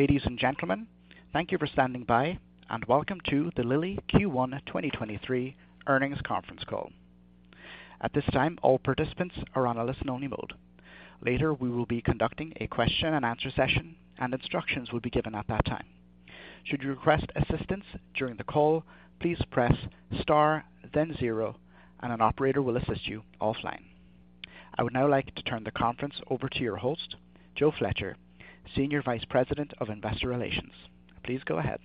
Ladies and gentlemen, thank you for standing by. Welcome to the Lilly Q1 2023 Earnings Conference Call. At this time, all participants are on a listen only mode. Later, we will be conducting a question and answer session, and instructions will be given at that time. Should you request assistance during the call, please press Star, then zero and an operator will assist you offline. I would now like to turn the conference over to your host, Joe Fletcher, Senior Vice President of Investor Relations. Please go ahead.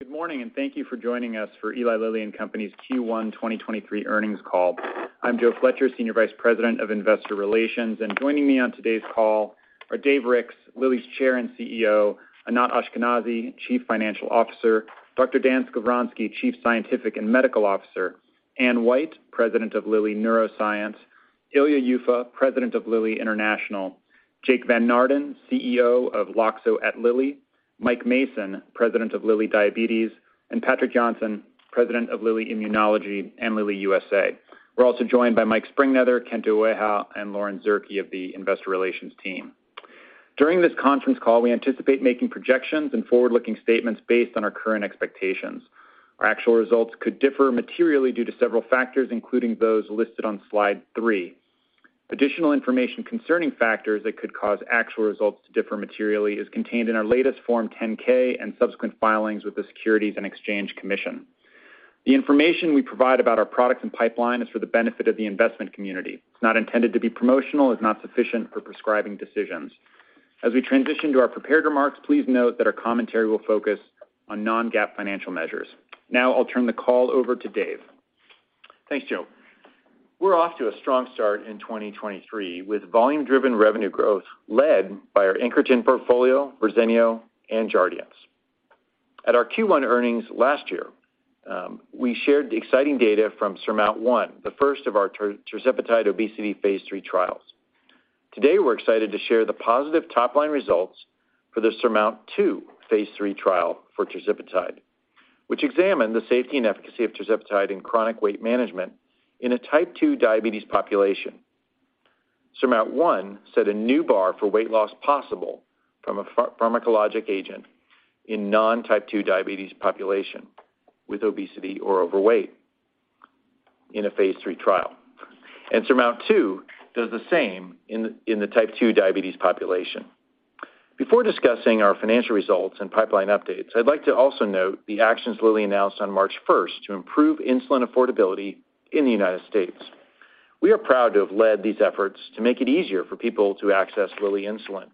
Good morning, thank you for joining us for Eli Lilly and Company's Q1 2023 earnings call. I'm Joe Fletcher, Senior Vice President of Investor Relations, and joining me on today's call are Dave Ricks, Lilly's Chair and Chief Executive Officer, Anat Ashkenazi, Chief Financial Officer, Dr. Dan Skovronsky, Chief Scientific and Medical Officer, Anne White, President of Lilly Neuroscience, Ilya Yuffa, President of Lilly International, Jake Van Naarden, CEO of Loxo at Lilly, Mike Mason, President of Lilly Diabetes, and Patrik Jonsson, President of Lilly Immunology and Lilly USA. We're also joined by Mike Sprengnether, Kento Ueha, and Lauren Zierke of the Investor Relations team. During this conference call, we anticipate making projections and forward-looking statements based on our current expectations. Our actual results could differ materially due to several factors, including those listed on slide three. Additional information concerning factors that could cause actual results to differ materially is contained in our latest Form 10-K and subsequent filings with the Securities and Exchange Commission. The information we provide about our products and pipeline is for the benefit of the investment community. It's not intended to be promotional, is not sufficient for prescribing decisions. As we transition to our prepared remarks, please note that our commentary will focus on non-GAAP financial measures. Now I'll turn the call over to Dave. Thanks, Joe. We're off to a strong start in 2023 with volume driven revenue growth led by our oncology portfolio, Verzenio and Jardiance. At our Q1 earnings last year, we shared the exciting data from SURMOUNT-1, the first of our tirzepatide obesity phase III trials. Today we're excited to share the positive top-line results for the SURMOUNT-2 phase III trial for tirzepatide, which examined the safety and efficacy of tirzepatide in chronic weight management in a type 2 diabetes population. SURMOUNT-1 set a new bar for weight loss possible from a pharmacologic agent in non type 2 diabetes population with obesity or overweight in a phase III trial. SURMOUNT-2 does the same in the type 2 diabetes population. Before discussing our financial results and pipeline updates, I'd like to also note the actions Lilly announced on March 1st to improve insulin affordability in the United States. We are proud to have led these efforts to make it easier for people to access Lilly insulin,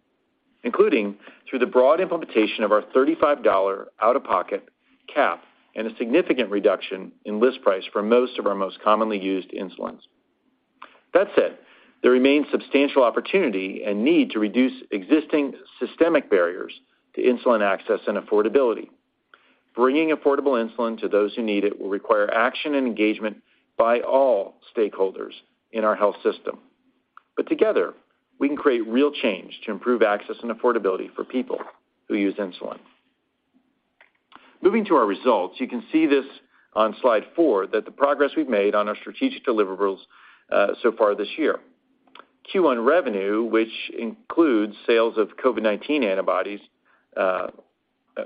including through the broad implementation of our $35 out-of-pocket cap and a significant reduction in list price for most of our most commonly used insulins. That said, there remains substantial opportunity and need to reduce existing systemic barriers to insulin access and affordability. Together, we can create real change to improve access and affordability for people who use insulin. Moving to our results, you can see this on slide four that the progress we've made on our strategic deliverables so far this year. Q1 revenue, which includes sales of COVID-19 antibodies,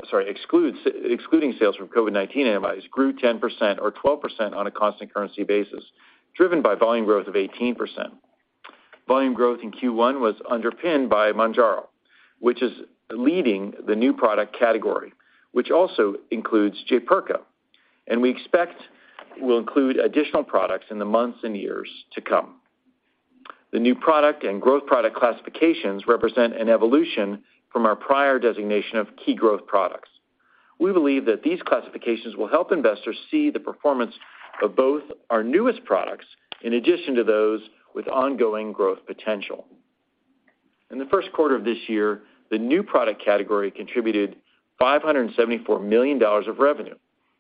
sorry, excluding sales from COVID-19 antibodies grew 10% or 12% on a constant currency basis, driven by volume growth of 18%. Volume growth in Q1 was underpinned by Mounjaro, which is leading the new product category, which also includes Jaypirca, and we expect will include additional products in the months and years to come. The new product and growth product classifications represent an evolution from our prior designation of key growth products. We believe that these classifications will help investors see the performance of both our newest products in addition to those with ongoing growth potential. In the first quarter of this year, the new product category contributed $574 million of revenue,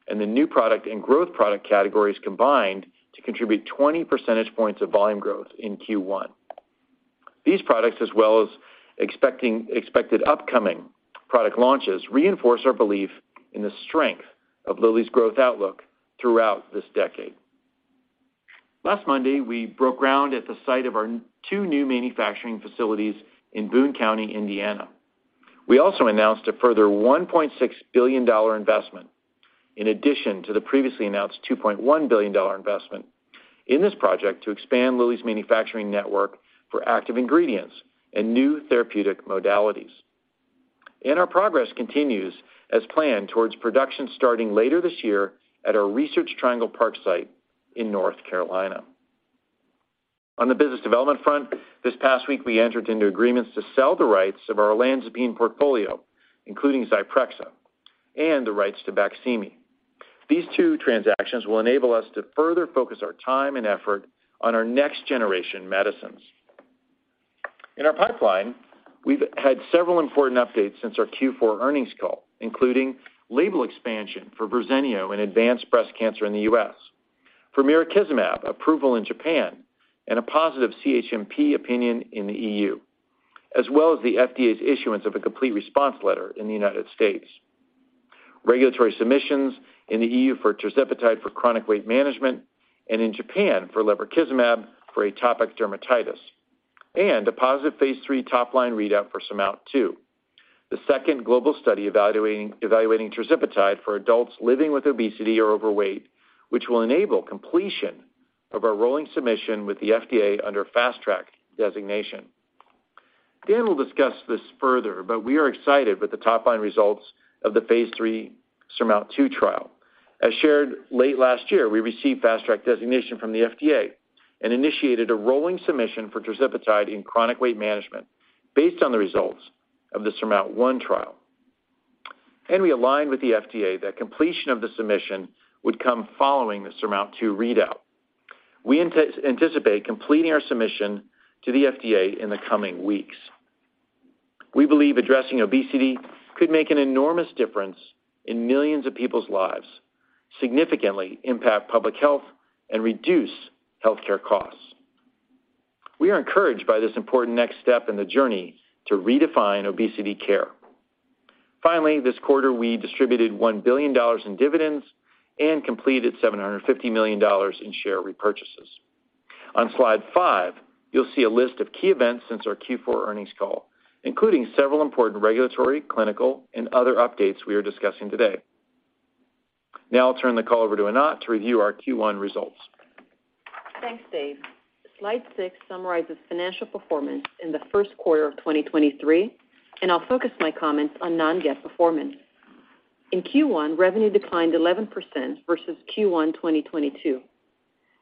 and the new product and growth product categories combined to contribute 20 percentage points of volume growth in Q1. These products, as well as expected upcoming product launches, reinforce our belief in the strength of Lilly's growth outlook throughout this decade. Last Monday, we broke ground at the site of our two new manufacturing facilities in Boone County, Indiana. We also announced a further $1.6 billion investment, in addition to the previously announced $2.1 billion investment in this project to expand Lilly's manufacturing network for active ingredients and new therapeutic modalities. Our progress continues as planned towards production starting later this year at our Research Triangle Park site in North Carolina. On the business development front, this past week we entered into agreements to sell the rights of our olanzapine portfolio, including Zyprexa, and the rights to Baqsimi. These two transactions will enable us to further focus our time and effort on our next generation medicines. In our pipeline, we've had several important updates since our Q4 earnings call, including label expansion for Verzenio in advanced breast cancer in the US, for mirikizumab approval in Japan, and a positive CHMP opinion in the EU, as well as the FDA's issuance of a complete response letter in the United States. Regulatory submissions in the EU for tirzepatide for chronic weight management and in Japan for lebrikizumab for atopic dermatitis, and a positive phase III top-line readout for SURMOUNT-2. The second global study evaluating tirzepatide for adults living with obesity or overweight, which will enable completion of our rolling submission with the FDA under Fast Track designation. Dan will discuss this further. We are excited with the top-line results of the phase III SURMOUNT-2 trial. As shared late last year, we received Fast Track designation from the FDA and initiated a rolling submission for tirzepatide in chronic weight management based on the results of the SURMOUNT-1 trial. We aligned with the FDA that completion of the submission would come following the SURMOUNT-2 readout. We anticipate completing our submission to the FDA in the coming weeks. We believe addressing obesity could make an enormous difference in millions of people's lives, significantly impact public health, and reduce healthcare costs. We are encouraged by this important next step in the journey to redefine obesity care. Finally, this quarter, we distributed $1 billion in dividends and completed $750 million in share repurchases. On slide five, you'll see a list of key events since our Q4 earnings call, including several important regulatory, clinical, and other updates we are discussing today. I'll turn the call over to Anat to review our Q1 results. Thanks, Dave. Slide six summarizes financial performance in the first quarter of 2023. I'll focus my comments on non-GAAP performance. In Q1, revenue declined 11% versus Q1 2022.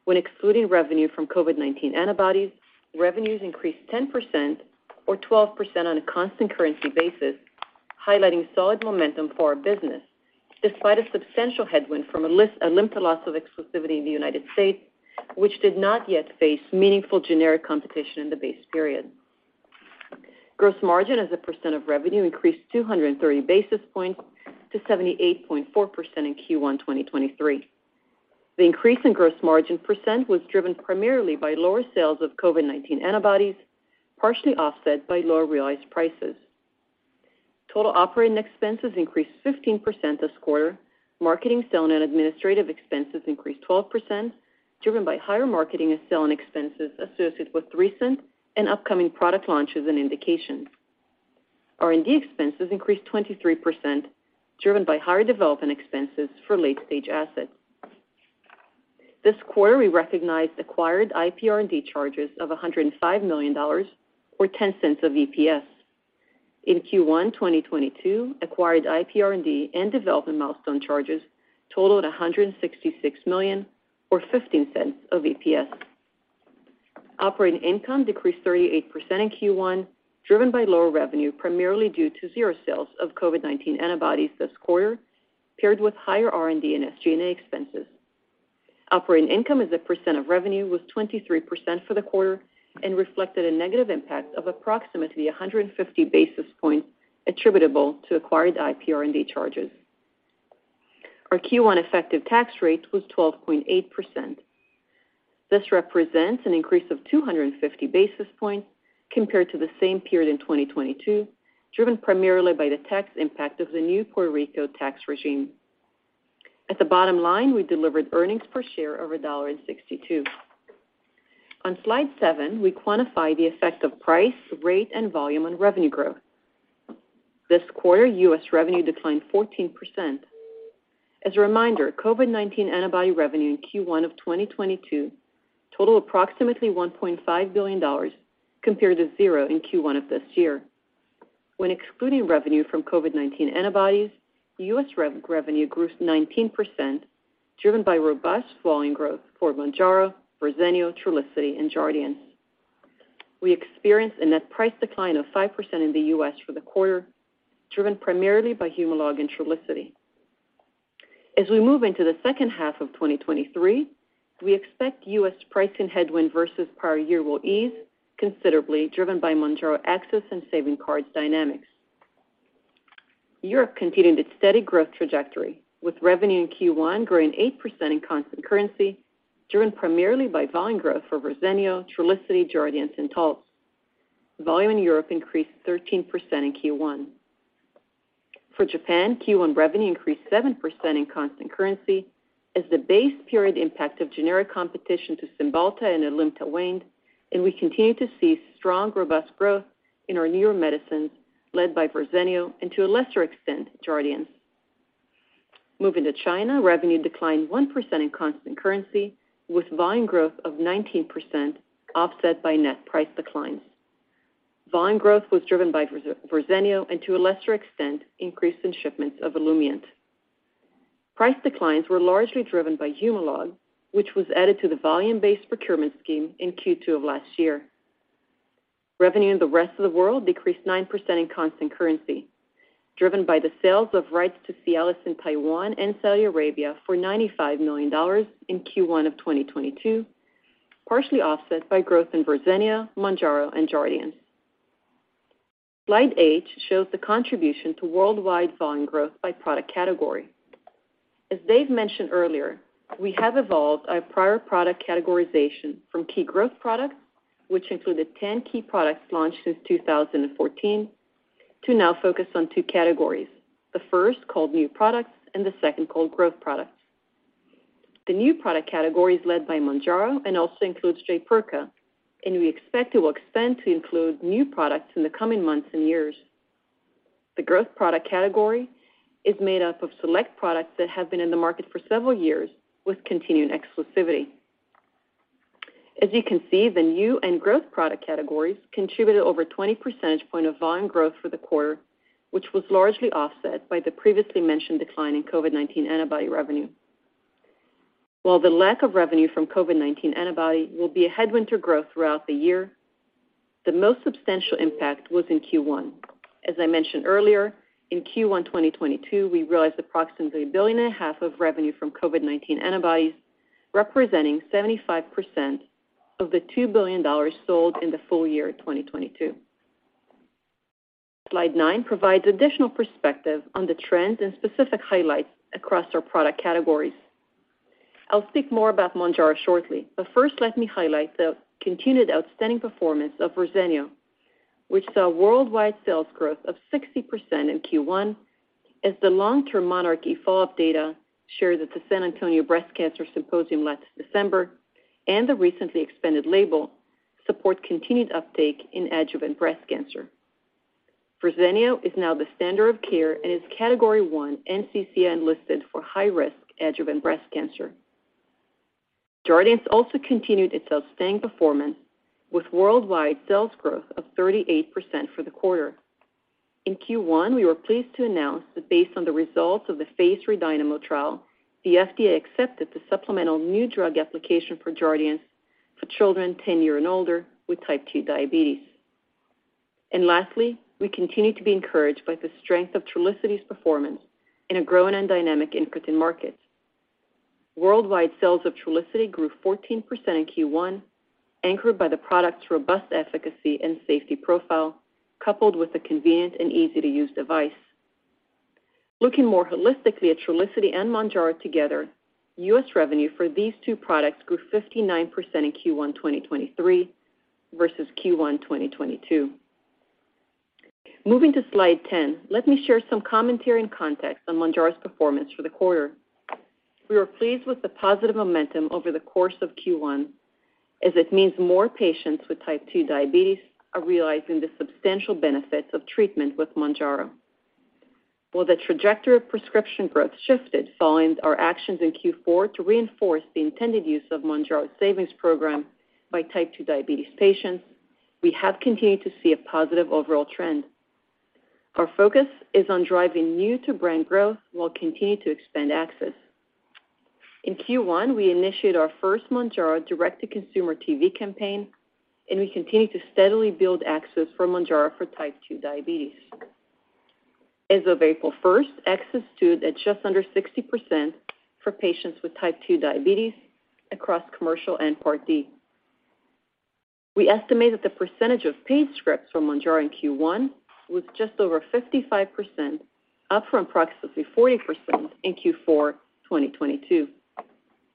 When excluding revenue from COVID-19 antibodies, revenues increased 10% or 12% on a constant currency basis, highlighting solid momentum for our business, despite a substantial headwind from Alimta loss of exclusivity in the United States, which did not yet face meaningful generic competition in the base period. Gross margin as a percent of revenue increased 230 basis points to 78.4% in Q1 2023. The increase in gross margin % was driven primarily by lower sales of COVID-19 antibodies, partially offset by lower realized prices. Total operating expenses increased 15% this quarter. Marketing, selling, and administrative expenses increased 12%, driven by higher marketing and selling expenses associated with recent and upcoming product launches and indications. R&D expenses increased 23%, driven by higher development expenses for late-stage assets. This quarter, we recognized acquired IP R&D charges of $105 million or $0.10 of EPS. In Q1 2022, acquired IP R&D and development milestone charges totaled $166 million or $0.15 of EPS. Operating income decreased 38% in Q1, driven by lower revenue, primarily due to zero sales of COVID-19 antibodies this quarter, paired with higher R&D and SG&A expenses. Operating income as a percent of revenue was 23% for the quarter and reflected a negative impact of approximately 150 basis points attributable to acquired IP R&D charges. Our Q1 effective tax rate was 12.8%. This represents an increase of 250 basis points compared to the same period in 2022, driven primarily by the tax impact of the new Puerto Rico tax regime. At the bottom line, we delivered earnings per share of $1.62. On slide seven, we quantify the effect of price, rate, and volume on revenue growth. This quarter, U.S. revenue declined 14%. As a reminder, COVID-19 antibody revenue in Q1 of 2022 totaled approximately $1.5 billion compared to 0 in Q1 of this year. When excluding revenue from COVID-19 antibodies, U.S. revenue grew 19%, driven by robust volume growth for Mounjaro, Verzenio, Trulicity, and Jardiance. We experienced a net price decline of 5% in the U.S. for the quarter, driven primarily by Humalog and Trulicity. As we move into the second half of 2023, we expect U.S. pricing headwind versus prior year will ease considerably, driven by Mounjaro access and savings cards dynamics. Europe continued its steady growth trajectory, with revenue in Q1 growing 8% in constant currency, driven primarily by volume growth for Verzenio, Trulicity, Jardiance, and Taltz. Volume in Europe increased 13% in Q1. For Japan, Q1 revenue increased 7% in constant currency as the base period impact of generic competition to Cymbalta and Alimta waned, and we continue to see strong, robust growth in our neuro medicines led by Verzenio and, to a lesser extent, Jardiance. Moving to China, revenue declined 1% in constant currency, with volume growth of 19% offset by net price declines. Volume growth was driven by Verzenio and, to a lesser extent, increase in shipments of Olumiant. Price declines were largely driven by Humalog, which was added to the volume-based procurement scheme in Q2 of last year. Revenue in the rest of the world decreased 9% in constant currency, driven by the sales of rights to Cialis in Taiwan and Saudi Arabia for $95 million in Q1 of 2022, partially offset by growth in Verzenio, Mounjaro, and Jardiance. Slide eight shows the contribution to worldwide volume growth by product category. As Dave mentioned earlier, we have evolved our prior product categorization from key growth products, which included 10 key products launched since 2014, to now focus on two categories. The first, called New Products, and the second called Growth Products. The new product category is led by Mounjaro and also includes Jaypirca, and we expect it will expand to include new products in the coming months and years. The growth product category is made up of select products that have been in the market for several years with continued exclusivity. As you can see, the new and growth product categories contributed over 20 percentage point of volume growth for the quarter, which was largely offset by the previously mentioned decline in COVID-19 antibody revenue. While the lack of revenue from COVID-19 antibody will be a headwind to growth throughout the year, the most substantial impact was in Q1. As I mentioned earlier, in Q1, 2022, we realized approximately a billion and a half of revenue from COVID-19 antibodies, representing 75% of the $2 billion sold in the full year of 2022. Slide nine provides additional perspective on the trends and specific highlights across our product categories. I'll speak more about Mounjaro shortly, but first, let me highlight the continued outstanding performance of Verzenio, which saw worldwide sales growth of 60% in Q1 as the long-term monarchE follow-up data shared at the San Antonio Breast Cancer Symposium last December and the recently expanded label support continued uptake in adjuvant breast cancer. Verzenio is now the standard of care and is Category 1 NCCN listed for high risk adjuvant breast cancer. Jardiance also continued its outstanding performance with worldwide sales growth of 38% for the quarter. In Q1, we were pleased to announce that based on the results of the phase III DYNAMO trial, the FDA accepted the supplemental new drug application for Jardiance for children 10 year and older with type 2 diabetes. Lastly, we continue to be encouraged by the strength of Trulicity's performance in a growing and dynamic incretin markets. Worldwide sales of Trulicity grew 14% in Q1, anchored by the product's robust efficacy and safety profile, coupled with a convenient and easy-to-use device. Looking more holistically at Trulicity and Mounjaro together, U.S. revenue for these two products grew 59% in Q1, 2023 versus Q1, 2022. Moving to slide 10, let me share some commentary and context on Mounjaro's performance for the quarter. We were pleased with the positive momentum over the course of Q1 as it means more patients with type 2 diabetes are realizing the substantial benefits of treatment with Mounjaro. While the trajectory of prescription growth shifted following our actions in Q4 to reinforce the intended use of Mounjaro Savings Program by type 2 diabetes patients, we have continued to see a positive overall trend. Our focus is on driving new to brand growth while continuing to expand access. In Q1, we initiated our first Mounjaro direct-to-consumer TV campaign, and we continue to steadily build access for Mounjaro for type 2 diabetes. As of April 1st, access stood at just under 60% for patients with type 2 diabetes across commercial and Part D. We estimate that the percentage of paid scripts for Mounjaro in Q1 was just over 55%, up from approximately 40% in Q4, 2022.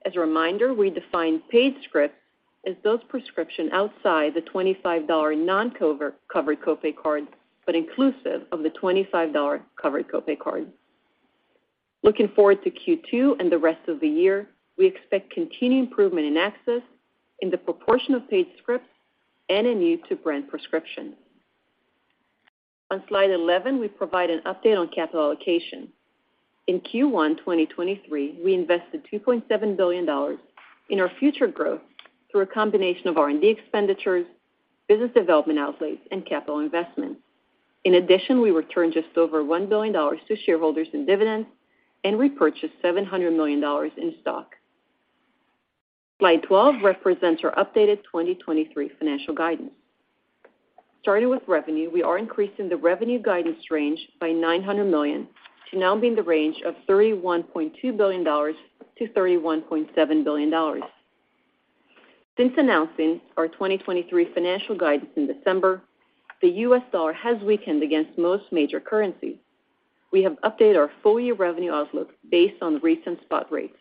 A reminder, we define paid scripts as those prescription outside the $25 non-covered co-pay card, but inclusive of the $25 covered co-pay card. Looking forward to Q2 and the rest of the year, we expect continued improvement in access in the proportion of paid scripts and in new to brand prescription. On slide 11, we provide an update on capital allocation. In Q1, 2023, we invested $2.7 billion in our future growth through a combination of R&D expenditures, business development outlays, and capital investments. In addition, we returned just over $1 billion to shareholders in dividends and repurchased $700 million in stock. Slide 12 represents our updated 2023 financial guidance. Starting with revenue, we are increasing the revenue guidance range by $900 million to now be in the range of $31.2 billion-$31.7 billion. Since announcing our 2023 financial guidance in December, the U.S. dollar has weakened against most major currencies. We have updated our full year revenue outlook based on recent spot rates.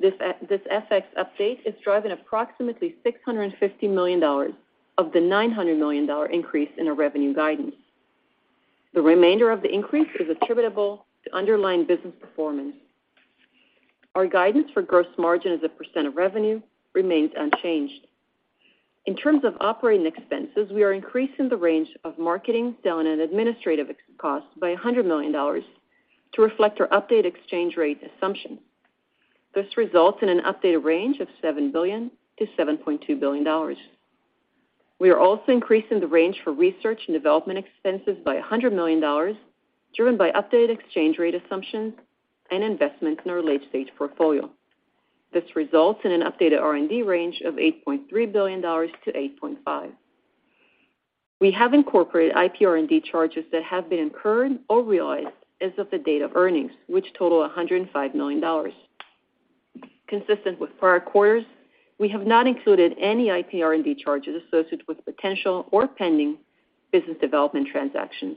This FX update is driving approximately $650 million of the $900 million increase in our revenue guidance. The remainder of the increase is attributable to underlying business performance. Our guidance for gross margin as a percent of revenue remains unchanged. In terms of operating expenses, we are increasing the range of marketing, selling, and administrative costs by $100 million to reflect our updated exchange rate assumption. This results in an updated range of $7 billion-$7.2 billion. We are also increasing the range for research and development expenses by $100 million, driven by updated exchange rate assumptions and investments in our late-stage portfolio. This results in an updated R&D range of $8.3 billion-$8.5 billion. We have incorporated IP R&D charges that have been incurred or realized as of the date of earnings, which total $105 million. Consistent with prior quarters, we have not included any IPR&D charges associated with potential or pending business development transactions.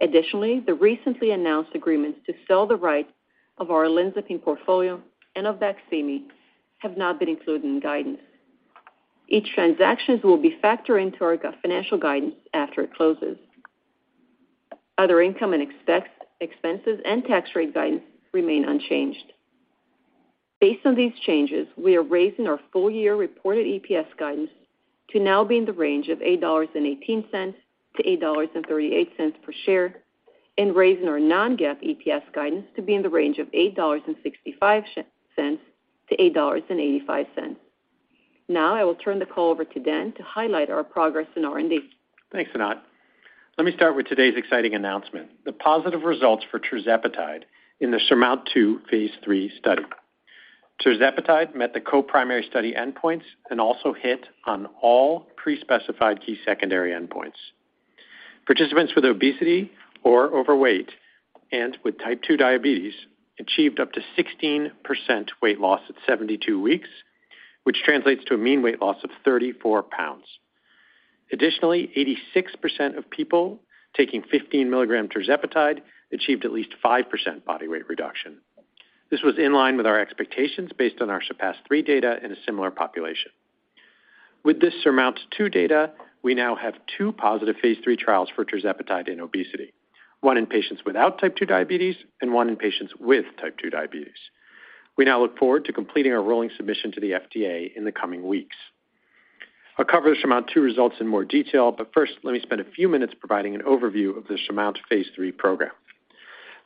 Additionally, the recently announced agreements to sell the rights of our olanzapine portfolio and of BAQSIMI have now been included in guidance. Each transactions will be factored into our financial guidance after it closes. Other income and expenses and tax rate guidance remain unchanged. Based on these changes, we are raising our full year reported EPS guidance to now be in the range of $8.18-$8.38 per share, and raising our non-GAAP EPS guidance to be in the range of $8.65-$8.85. Now, I will turn the call over to Dan to highlight our progress in R&D. Thanks, Anat. Let me start with today's exciting announcement, the positive results for tirzepatide in the SURMOUNT-2 phase III study. Tirzepatide met the co-primary study endpoints and also hit on all pre-specified key secondary endpoints. Participants with obesity or overweight and with type 2 diabetes achieved up to 16% weight loss at 72 weeks, which translates to a mean weight loss of 34 lbs. Additionally, 86% of people taking 15 mg tirzepatide achieved at least 5% body weight reduction. This was in line with our expectations based on our SURPASS-3 data in a similar population. With this SURMOUNT-2 data, we now have 2 positive phase III trials for tirzepatide in obesity. One in patients without type 2 diabetes and one in patients with type 2 diabetes. We now look forward to completing our rolling submission to the FDA in the coming weeks. I'll cover the SURMOUNT-2 results in more detail, first, let me spend a few minutes providing an overview of the SURMOUNT phase III program.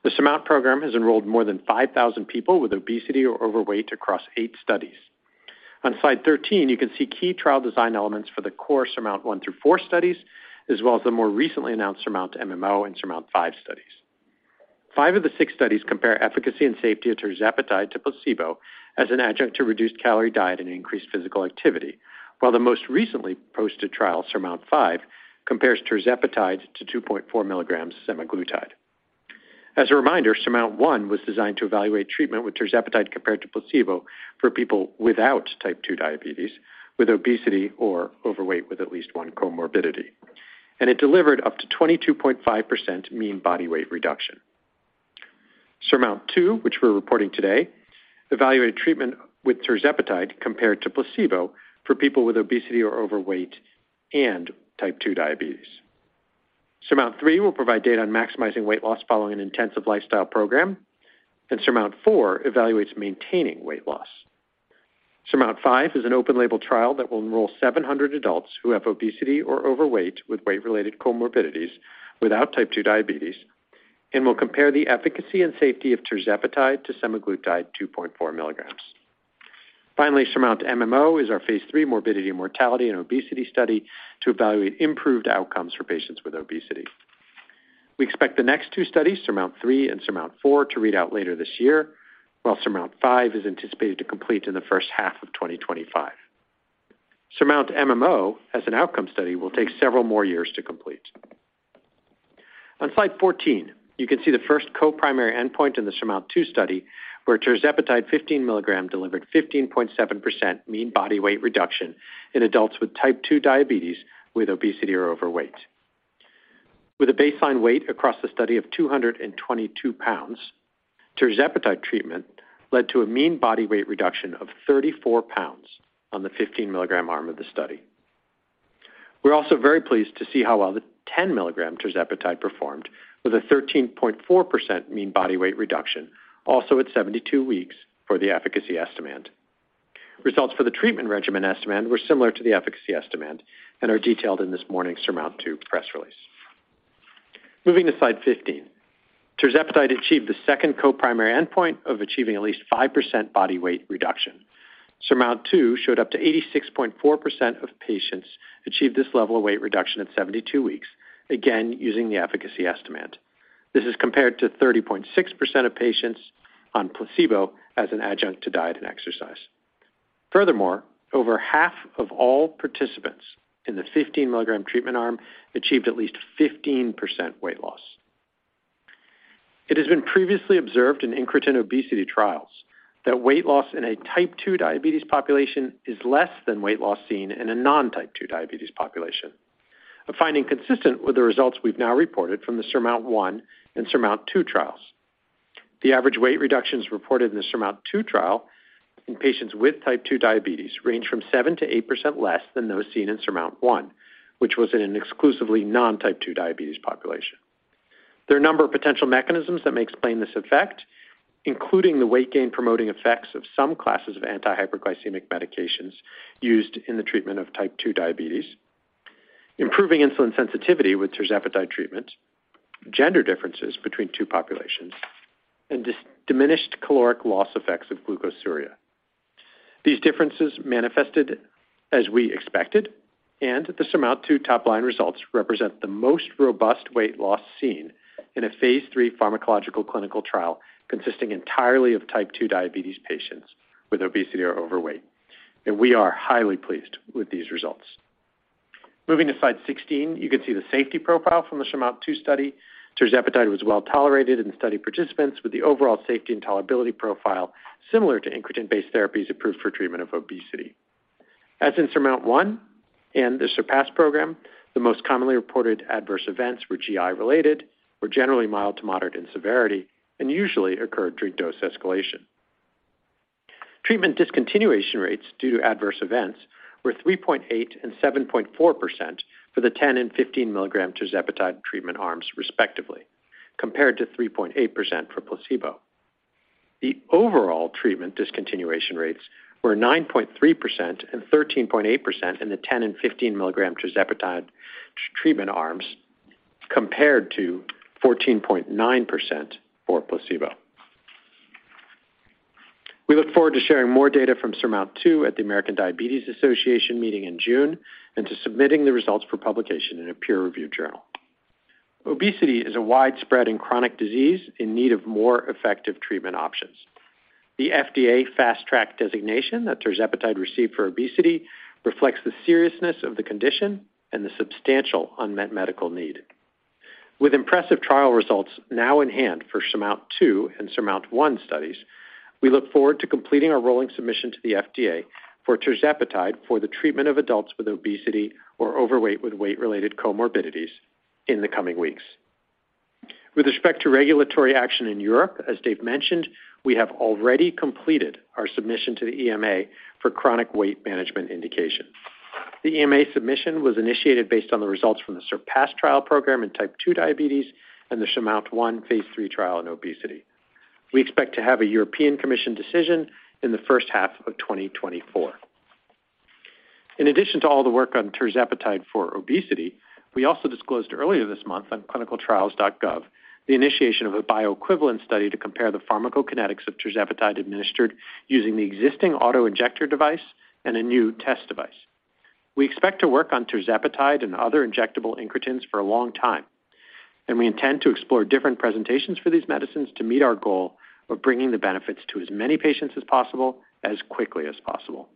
The SURMOUNT program has enrolled more than 5,000 people with obesity or overweight across eight studies. On slide 13, you can see key trial design elements for the core SURMOUNT-1 through SURMOUNT-4 studies, as well as the more recently announced SURMOUNT-MMO and SURMOUNT-5 studies. Five of the six studies compare efficacy and safety of tirzepatide to placebo as an adjunct to reduced calorie diet and increased physical activity, while the most recently posted trial, SURMOUNT-5, compares tirzepatide to 2.4 mg semaglutide. As a reminder, SURMOUNT-1 was designed to evaluate treatment with tirzepatide compared to placebo for people without type 2 diabetes, with obesity or overweight with at least one comorbidity, and it delivered up to 22.5% mean body weight reduction. SURMOUNT-2, which we're reporting today, evaluated treatment with tirzepatide compared to placebo for people with obesity or overweight and type 2 diabetes. SURMOUNT-3 will provide data on maximizing weight loss following an intensive lifestyle program. SURMOUNT-4 evaluates maintaining weight loss. SURMOUNT-5 is an open label trial that will enroll 700 adults who have obesity or overweight with weight-related comorbidities without type 2 diabetes and will compare the efficacy and safety of tirzepatide to semaglutide 2.4 mg. Finally, SURMOUNT-MMO is our phase III morbidity and mortality and obesity study to evaluate improved outcomes for patients with obesity. We expect the next 2 studies, SURMOUNT-3 and SURMOUNT-4, to read out later this year, while SURMOUNT-5 is anticipated to complete in the first half of 2025. SURMOUNT MMO, as an outcome study, will take several more years to complete. On slide 14, you can see the first co-primary endpoint in the SURMOUNT-2 study, where tirzepatide 15 mg delivered 15.7% mean body weight reduction in adults with type 2 diabetes with obesity or overweight. With a baseline weight across the study of 222 lbs, tirzepatide treatment led to a mean body weight reduction of 34 lbs on the 15 mg arm of the study. We're also very pleased to see how well the 10 mg tirzepatide performed with a 13.4% mean body weight reduction, also at 72 weeks for the efficacy estimate. Results for the treatment regimen estimate were similar to the efficacy estimate and are detailed in this morning's SURMOUNT-2 press release. Moving to slide 15. Tirzepatide achieved the second co-primary endpoint of achieving at least 5% body weight reduction. SURMOUNT-2 showed up to 86.4% of patients achieve this level of weight reduction at 72 weeks, again, using the efficacy estimate. This is compared to 30.6% of patients on placebo as an adjunct to diet and exercise. Furthermore, over half of all participants in the 15 mg treatment arm achieved at least 15% weight loss. It has been previously observed in incretin obesity trials that weight loss in a type 2 diabetes population is less than weight loss seen in a non-type 2 diabetes population. A finding consistent with the results we've now reported from the SURMOUNT-1 and SURMOUNT-2 trials. The average weight reductions reported in the SURMOUNT-2 trial in patients with type 2 diabetes range from 7%-8% less than those seen in SURMOUNT-1, which was in an exclusively non-type 2 diabetes population. There are a number of potential mechanisms that may explain this effect, including the weight gain promoting effects of some classes of anti-hyperglycemic medications used in the treatment of type 2 diabetes, improving insulin sensitivity with tirzepatide treatment, gender differences between two populations, and diminished caloric loss effects of glucosuria. These differences manifested as we expected. The SURMOUNT-2 top-line results represent the most robust weight loss seen in a phase III pharmacological clinical trial consisting entirely of type 2 diabetes patients with obesity or overweight, and we are highly pleased with these results. Moving to slide 16, you can see the safety profile from the SURMOUNT-2 study. Tirzepatide was well-tolerated in study participants with the overall safety and tolerability profile similar to incretin-based therapies approved for treatment of obesity. As in SURMOUNT-1 and the SURPASS program, the most commonly reported adverse events were GI-related, were generally mild to moderate in severity, and usually occurred during dose escalation. Treatment discontinuation rates due to adverse events were 3.8% and 7.4% for the 10 mg and 15 mg tirzepatide treatment arms, respectively, compared to 3.8% for placebo. The overall treatment discontinuation rates were 9.3% and 13.8% in the 10 mg and 15 mg tirzepatide treatment arms, compared to 14.9% for placebo. We look forward to sharing more data from SURMOUNT-2 at the American Diabetes Association meeting in June and to submitting the results for publication in a peer-reviewed journal. Obesity is a widespread and chronic disease in need of more effective treatment options. The FDA Fast Track designation that tirzepatide received for obesity reflects the seriousness of the condition and the substantial unmet medical need. With impressive trial results now in hand for SURMOUNT-2 and SURMOUNT-1 studies, we look forward to completing our rolling submission to the FDA for tirzepatide for the treatment of adults with obesity or overweight with weight-related comorbidities in the coming weeks. With respect to regulatory action in Europe, as Dave mentioned, we have already completed our submission to the EMA for chronic weight management indication. The EMA submission was initiated based on the results from the SURPASS trial program in type 2 diabetes and the SURMOUNT-1 phase III trial in obesity. We expect to have a European Commission decision in the first half of 2024. In addition to all the work on tirzepatide for obesity, we also disclosed earlier this month on ClinicalTrials.gov the initiation of a bioequivalent study to compare the pharmacokinetics of tirzepatide administered using the existing auto-injector device and a new test device. We expect to work on tirzepatide and other injectable incretins for a long time. We intend to explore different presentations for these medicines to meet our goal of bringing the benefits to as many patients as possible as quickly as possible.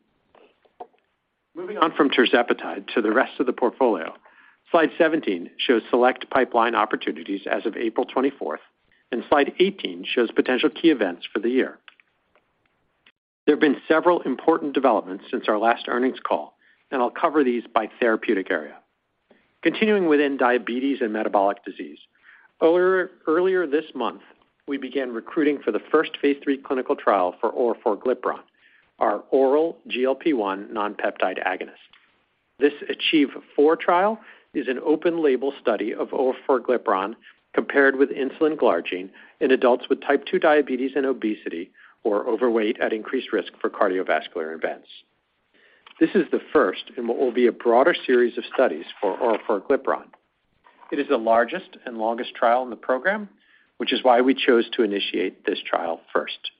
Moving on from tirzepatide to the rest of the portfolio, slide 17 shows select pipeline opportunities as of April 24th. Slide 18 shows potential key events for the year. There have been several important developments since our last earnings call. I'll cover these by therapeutic area. Continuing within diabetes and metabolic disease, earlier this month, we began recruiting for the first phase III clinical trial for orforglipron, our oral GLP-1 nonpeptide agonist. This ACHIEVE-4 trial is an open-label study of orforglipron compared with insulin glargine in adults with type 2 diabetes and obesity or overweight at increased risk for cardiovascular events. This is the first in what will be a broader series of studies for orforglipron. It is the largest and longest trial in the program, which is why we chose to initiate this trial first.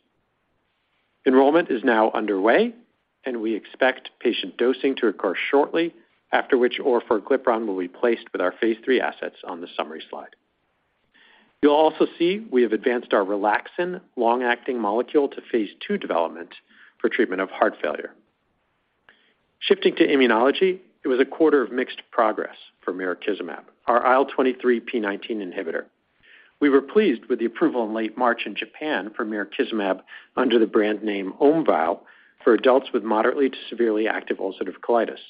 Enrollment is now underway. We expect patient dosing to occur shortly, after which orforglipron will be placed with our phase III assets on the summary slide. You'll also see we have advanced our relaxin long-acting molecule to phase IIII development for treatment of heart failure. Shifting to immunology, it was a quarter of mixed progress for mirikizumab, our IL23p19 inhibitor. We were pleased with the approval in late March in Japan for mirikizumab under the brand name Omvoh for adults with moderately to severely active ulcerative colitis.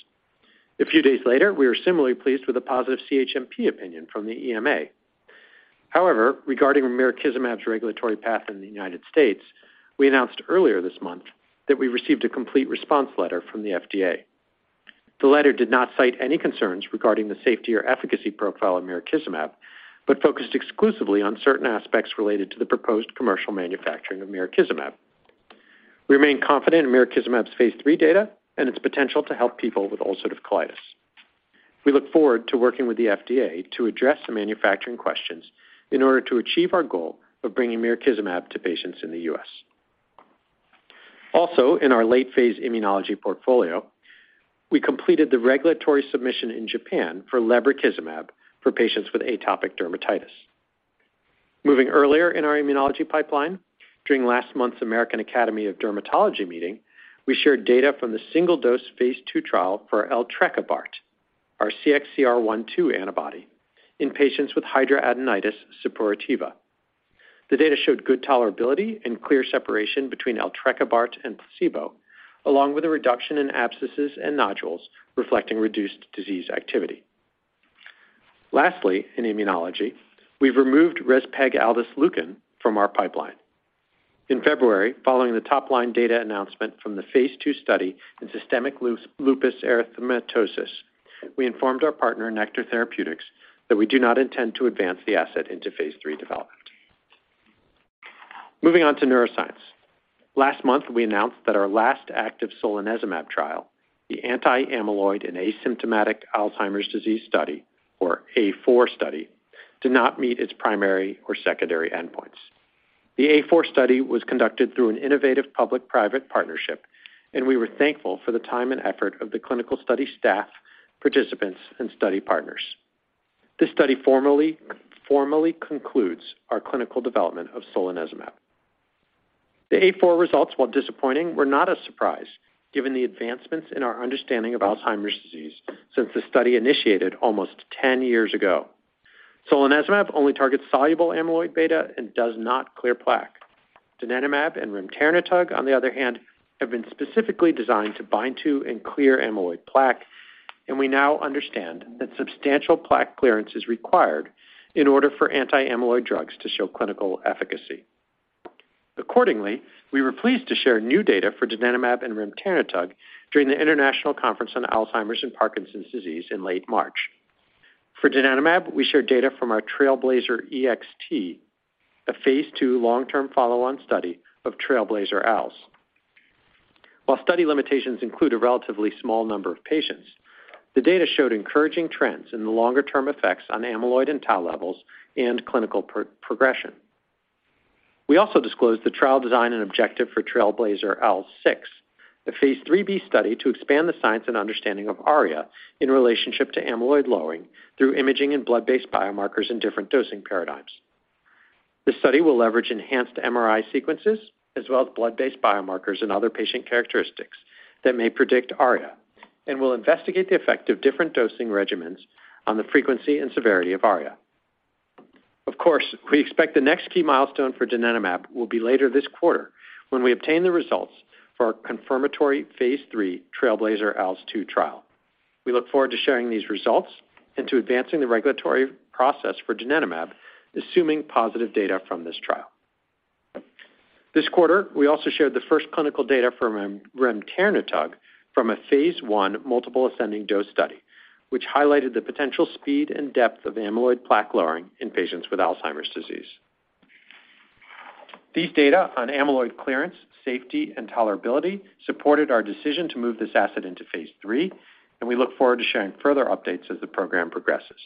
A few days later, we were similarly pleased with a positive CHMP opinion from the EMA. However, regarding mirikizumab's regulatory path in the United States, we announced earlier this month that we received a complete response letter from the FDA. The letter did not cite any concerns regarding the safety or efficacy profile of mirikizumab, but focused exclusively on certain aspects related to the proposed commercial manufacturing of mirikizumab. We remain confident in mirikizumab's phase III data and its potential to help people with ulcerative colitis. We look forward to working with the FDA to address the manufacturing questions in order to achieve our goal of bringing mirikizumab to patients in the U.S. In our late phase immunology portfolio, we completed the regulatory submission in Japan for lebrikizumab for patients with atopic dermatitis. Moving earlier in our immunology pipeline, during last month's American Academy of Dermatology meeting, we shared data from the single-dose phase II trial for eltrekibart, our CXCR1/2 antibody, in patients with hidradenitis suppurativa. The data showed good tolerability and clear separation between eltrekibart and placebo, along with a reduction in abscesses and nodules reflecting reduced disease activity. In immunology, we've removed respegalduslucin from our pipeline. In February, following the top-line data announcement from the phase II study in systemic lupus erythematosus, we informed our partner Nektar Therapeutics that we do not intend to advance the asset into phase III development. Moving on to neuroscience. Last month, we announced that our last active solanezumab trial, the anti-amyloid and asymptomatic Alzheimer's disease study, or A4 study, did not meet its primary or secondary endpoints. The A4 study was conducted through an innovative public-private partnership, we were thankful for the time and effort of the clinical study staff, participants, and study partners. This study formally concludes our clinical development of solanezumab. The A4 results, while disappointing, were not a surprise given the advancements in our understanding of Alzheimer's disease since the study initiated almost 10 years ago. Solanezumab only targets soluble amyloid beta and does not clear plaque. Donanemab and remternetug, on the other hand, have been specifically designed to bind to and clear amyloid plaque, we now understand that substantial plaque clearance is required in order for anti-amyloid drugs to show clinical efficacy. Accordingly, we were pleased to share new data for donanemab and remternetug during the International Conference on Alzheimer's and Parkinson's Disease in late March. For donanemab, we shared data from our TRAILBLAZER-EXT, a phase II long-term follow-on study of TRAILBLAZER-ALZ. While study limitations include a relatively small number of patients, the data showed encouraging trends in the longer-term effects on amyloid and tau levels and clinical progression. We also disclosed the trial design and objective for TRAILBLAZER-ALZ 6, a phase III-B study to expand the science and understanding of ARIA in relationship to amyloid lowering through imaging and blood-based biomarkers in different dosing paradigms. The study will leverage enhanced MRI sequences as well as blood-based biomarkers and other patient characteristics that may predict ARIA and will investigate the effect of different dosing regimens on the frequency and severity of ARIA. Of course, we expect the next key milestone for donanemab will be later this quarter when we obtain the results for our confirmatory phase III TRAILBLAZER-ALZ 2 trial. We look forward to sharing these results and to advancing the regulatory process for donanemab, assuming positive data from this trial. This quarter, we also shared the first clinical data for remternetug from a phase I multiple ascending dose study, which highlighted the potential speed and depth of amyloid plaque lowering in patients with Alzheimer's disease. These data on amyloid clearance, safety, and tolerability supported our decision to move this asset into phase III, and we look forward to sharing further updates as the program progresses.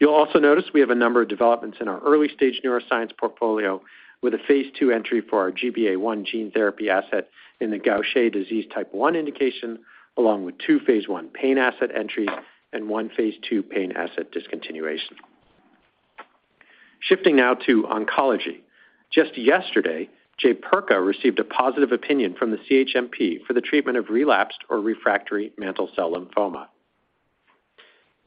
You'll also notice we have a number of developments in our early-stage neuroscience portfolio with a phase II entry for our GBA1 gene therapy asset in the Gaucher disease type 1 indication, along with two phase I pain asset entries and one phase II pain asset discontinuation. Shifting now to oncology. Just yesterday, Jaypirca received a positive opinion from the CHMP for the treatment of relapsed or refractory mantle cell lymphoma.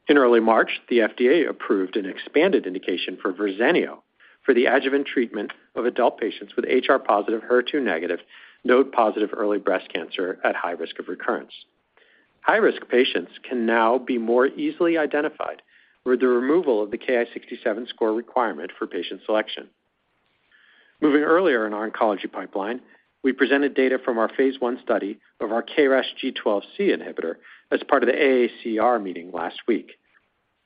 In early March, the FDA approved an expanded indication for Verzenio for the adjuvant treatment of adult patients with HR positive, HER2-negative, node-positive early breast cancer at high risk of recurrence. High-risk patients can now be more easily identified with the removal of the Ki-67 score requirement for patient selection. Moving earlier in our oncology pipeline, we presented data from our phase I study of our KRAS G12C inhibitor as part of the AACR meeting last week.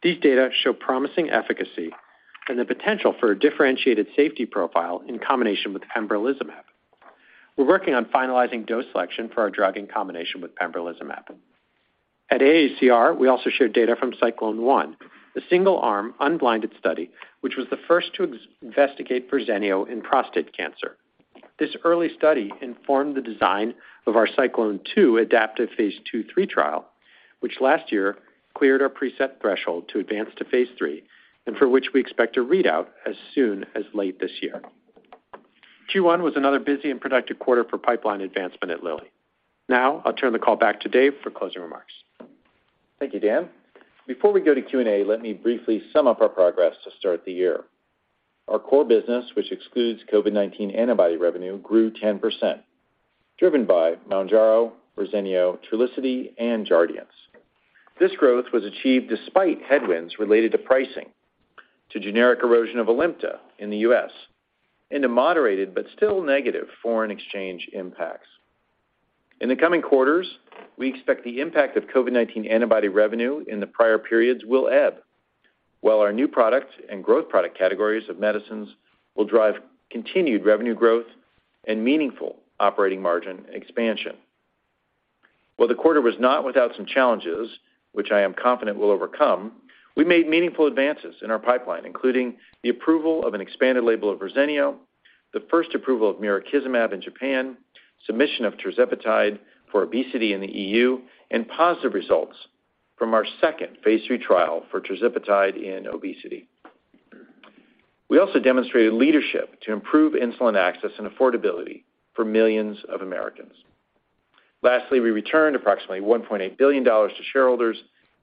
These data show promising efficacy and the potential for a differentiated safety profile in combination with pembrolizumab. We're working on finalizing dose selection for our drug in combination with pembrolizumab. At AACR, we also shared data from CYCLONE 1, the single-arm unblinded study, which was the first to investigate Verzenio in prostate cancer. This early study informed the design of our CYCLONE 2 adaptive phase II, III trial, which last year cleared our preset threshold to advance to phase III, and for which we expect a readout as soon as late this year. Q1 was another busy and productive quarter for pipeline advancement at Lilly. Now I'll turn the call back to Dave for closing remarks. Thank you, Dan. Before we go to Q&A, let me briefly sum up our progress to start the year. Our core business, which excludes COVID-19 antibody revenue, grew 10%, driven by Mounjaro, Verzenio, Trulicity, and Jardiance. This growth was achieved despite headwinds related to pricing, to generic erosion of Alimta in the U.S., and to moderated but still negative foreign exchange impacts. In the coming quarters, we expect the impact of COVID-19 antibody revenue in the prior periods will ebb, while our new product and growth product categories of medicines will drive continued revenue growth and meaningful operating margin expansion. While the quarter was not without some challenges, which I am confident we'll overcome, we made meaningful advances in our pipeline, including the approval of an expanded label of Verzenio, the first approval of mirikizumab in Japan, submission of tirzepatide for obesity in the EU, and positive results from our second phase III trial for tirzepatide in obesity. We also demonstrated leadership to improve insulin access and affordability for millions of Americans. Lastly, we returned approximately $1.8 billion to shareholders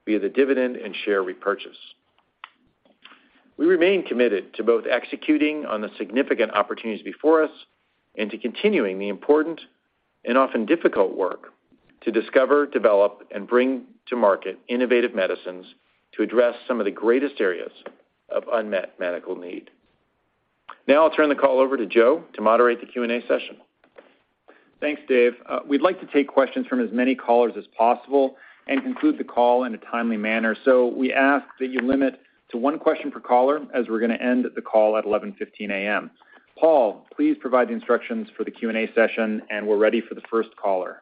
via the dividend and share repurchase. We remain committed to both executing on the significant opportunities before us and to continuing the important and often difficult work to discover, develop, and bring to market innovative medicines to address some of the greatest areas of unmet medical need. Now I'll turn the call over to Joe to moderate the Q&A session. Thanks, Dave. We'd like to take questions from as many callers as possible and conclude the call in a timely manner. We ask that you limit to one question per caller, as we're going to end the call at 11:15 A.M. Paul, please provide the instructions for the Q&A session. We're ready for the first caller.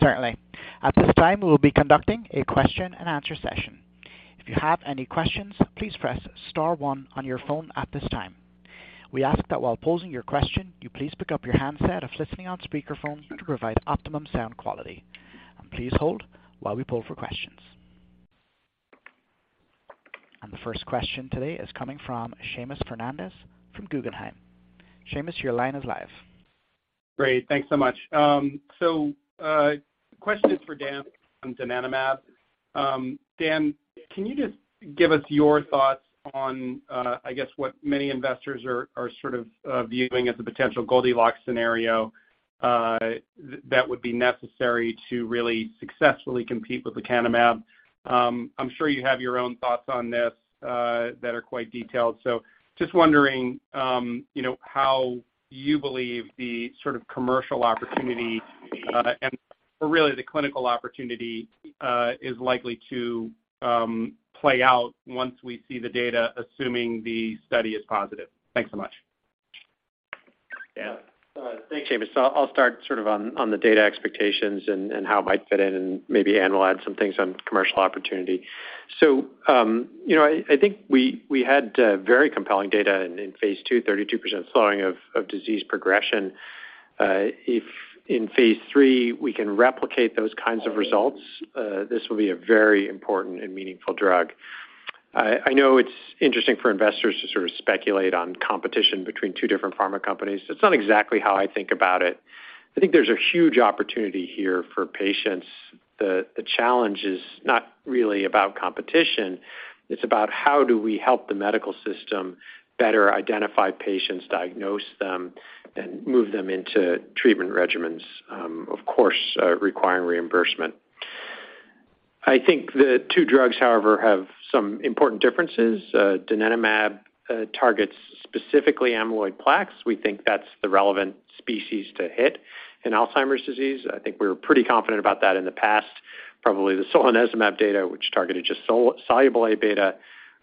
Certainly. At this time, we'll be conducting a question and answer session. If you have any questions, please press star one on your phone at this time. We ask that while posing your question, you please pick up your handset if listening on speakerphone to provide optimum sound quality. Please hold while we poll for questions. The first question today is coming from Seamus Fernandez from Guggenheim. Seamus, your line is live. Great. Thanks so much. Question is for Dan on donanemab. Dan, can you just give us your thoughts on, I guess what many investors are sort of viewing as a potential Goldilocks scenario that would be necessary to really successfully compete with Lecanemab? I'm sure you have your own thoughts on this that are quite detailed. Just wondering, you know, how you believe the sort of commercial opportunity or really the clinical opportunity is likely to play out once we see the data, assuming the study is positive. Thanks so much. Yeah. Thanks, Seamus. I'll start sort of on the data expectations and how it might fit in, and maybe Anne will add some things on commercial opportunity. You know, I think we had very compelling data in phase II, 32% slowing of disease progression. If in phase III we can replicate those kinds of results, this will be a very important and meaningful drug. I know it's interesting for investors to sort of speculate on competition between two different pharma companies. That's not exactly how I think about it. I think there's a huge opportunity here for patients. The challenge is not really about competition, it's about how do we help the medical system better identify patients, diagnose them, and move them into treatment regimens, of course, requiring reimbursement. I think the two drugs, however, have some important differences. Donanemab targets specifically amyloid plaques. We think that's the relevant species to hit in Alzheimer's disease. I think we were pretty confident about that in the past. Probably the solanezumab data, which targeted just soluble A-beta,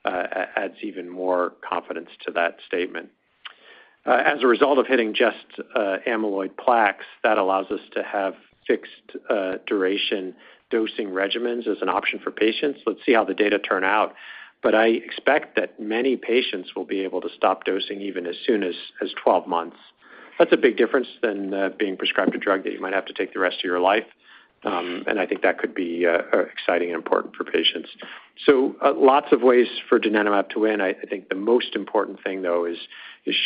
adds even more confidence to that statement. As a result of hitting just amyloid plaques, that allows us to have fixed duration dosing regimens as an option for patients. Let's see how the data turn out, but I expect that many patients will be able to stop dosing even as soon as 12 months. That's a big difference than being prescribed a drug that you might have to take the rest of your life. I think that could be exciting and important for patients. Lots of ways for donanemab to win. I think the most important thing, though, is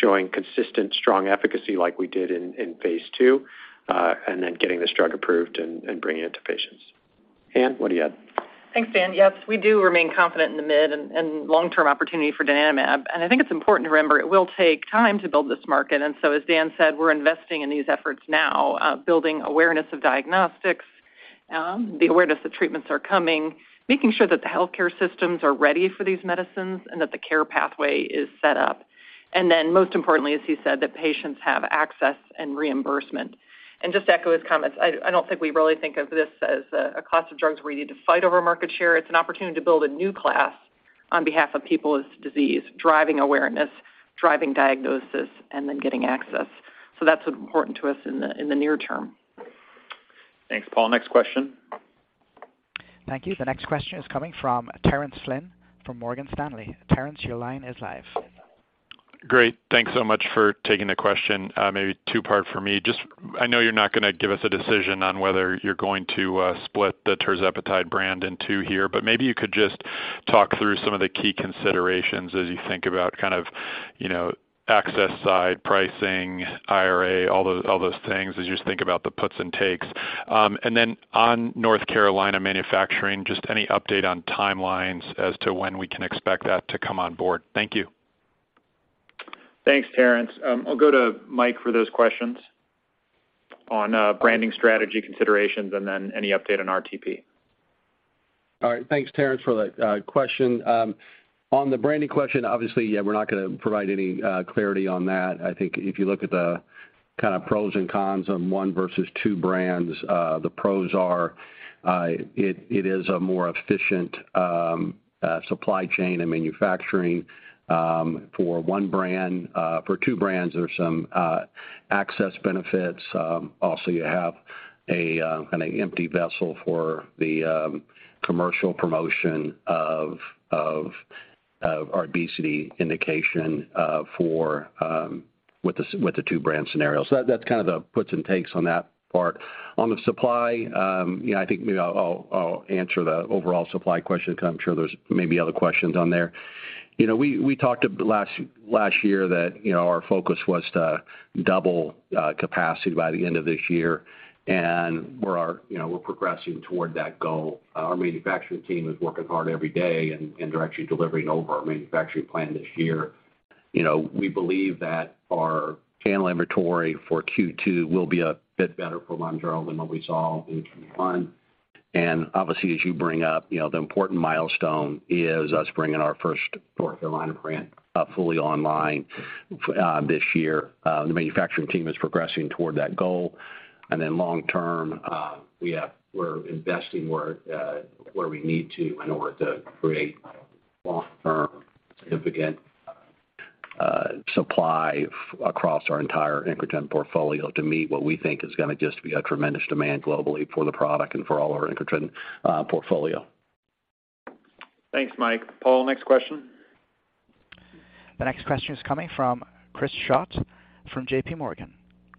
showing consistent strong efficacy like we did in phase II, and then getting this drug approved and bringing it to patients. Anne, what do you add? Thanks, Dan. Yes, we do remain confident in the mid and long-term opportunity for donanemab, and I think it's important to remember it will take time to build this market. As Dan said, we're investing in these efforts now, building awareness of diagnostics, the awareness that treatments are coming, making sure that the healthcare systems are ready for these medicines and that the care pathway is set up. Most importantly, as he said, that patients have access and reimbursement. To echo his comments, I don't think we really think of this as a class of drugs where you need to fight over market share. It's an opportunity to build a new class on behalf of people with disease, driving awareness, driving diagnosis, and then getting access. That's what's important to us in the near term. Thanks, Paul. Next question. Thank you. The next question is coming from Terence Flynn from Morgan Stanley. Terence, your line is live. Great. Thanks so much for taking the question. Maybe two-part for me. I know you're not gonna give us a decision on whether you're going to split the tirzepatide brand in two here, maybe you could just talk through some of the key considerations as you think about kind of, you know, access side pricing, IRA, all those things as you just think about the puts and takes. On North Carolina manufacturing, just any update on timelines as to when we can expect that to come on board. Thank you. Thanks, Terence. I'll go to Mike for those questions on branding strategy considerations and then any update on RTP. All right. Thanks, Terence, for the question. On the branding question, obviously, yeah, we're not gonna provide any clarity on that. I think if you look at the kinda pros and cons on one versus two brands, the pros are, it is a more efficient supply chain and manufacturing for one brand. For two brands, there's some access benefits. Also you have a kinda empty vessel for the commercial promotion of our obesity indication for with the two-brand scenario. That's kind of the puts and takes on that part. On the supply, you know, I think maybe I'll answer the overall supply question 'cause I'm sure there's maybe other questions on there. You know, we talked last year that, you know, our focus was to double capacity by the end of this year, and you know, we're progressing toward that goal. Our manufacturing team is working hard every day and they're actually delivering over our manufacturing plan this year. You know, we believe that our channel inventory for Q2 will be a bit better for Mounjaro than what we saw in Q1. Obviously, as you bring up, you know, the important milestone is us bringing our first North Carolina brand fully online this year. The manufacturing team is progressing toward that goal. Long term, we're investing where we need to in order to create long-term significant supply across our entire incretin portfolio to meet what we think is gonna just be a tremendous demand globally for the product and for all our incretin portfolio. Thanks, Mike. Paul, next question. The next question is coming from Chris Schott from JPMorgan.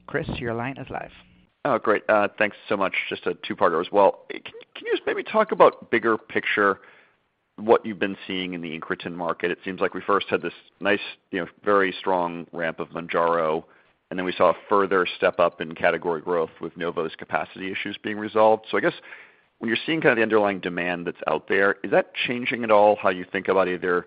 Chris, your line is live. Great. Thanks so much. Just a two-parter as well. Can you just maybe talk about bigger picture, what you've been seeing in the incretin market? It seems like we first had this nice, you know, very strong ramp of Mounjaro, and then we saw a further step up in category growth with Novo's capacity issues being resolved. I guess when you're seeing kind of the underlying demand that's out there, is that changing at all how you think about either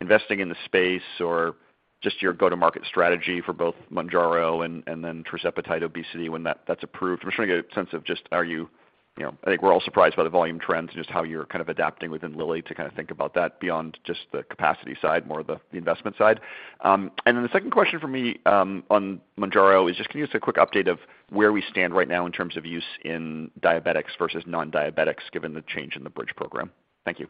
investing in the space or just your go-to-market strategy for both Mounjaro and then tirzepatide obesity when that's approved? I'm just trying to get a sense of just are you know, I think we're all surprised by the volume trends and just how you're kind of adapting within Lilly to kind of think about that beyond just the capacity side, more the investment side. The second question for me, on Mounjaro is just can you give us a quick update of where we stand right now in terms of use in diabetics versus non-diabetics given the change in the bridge program? Thank you.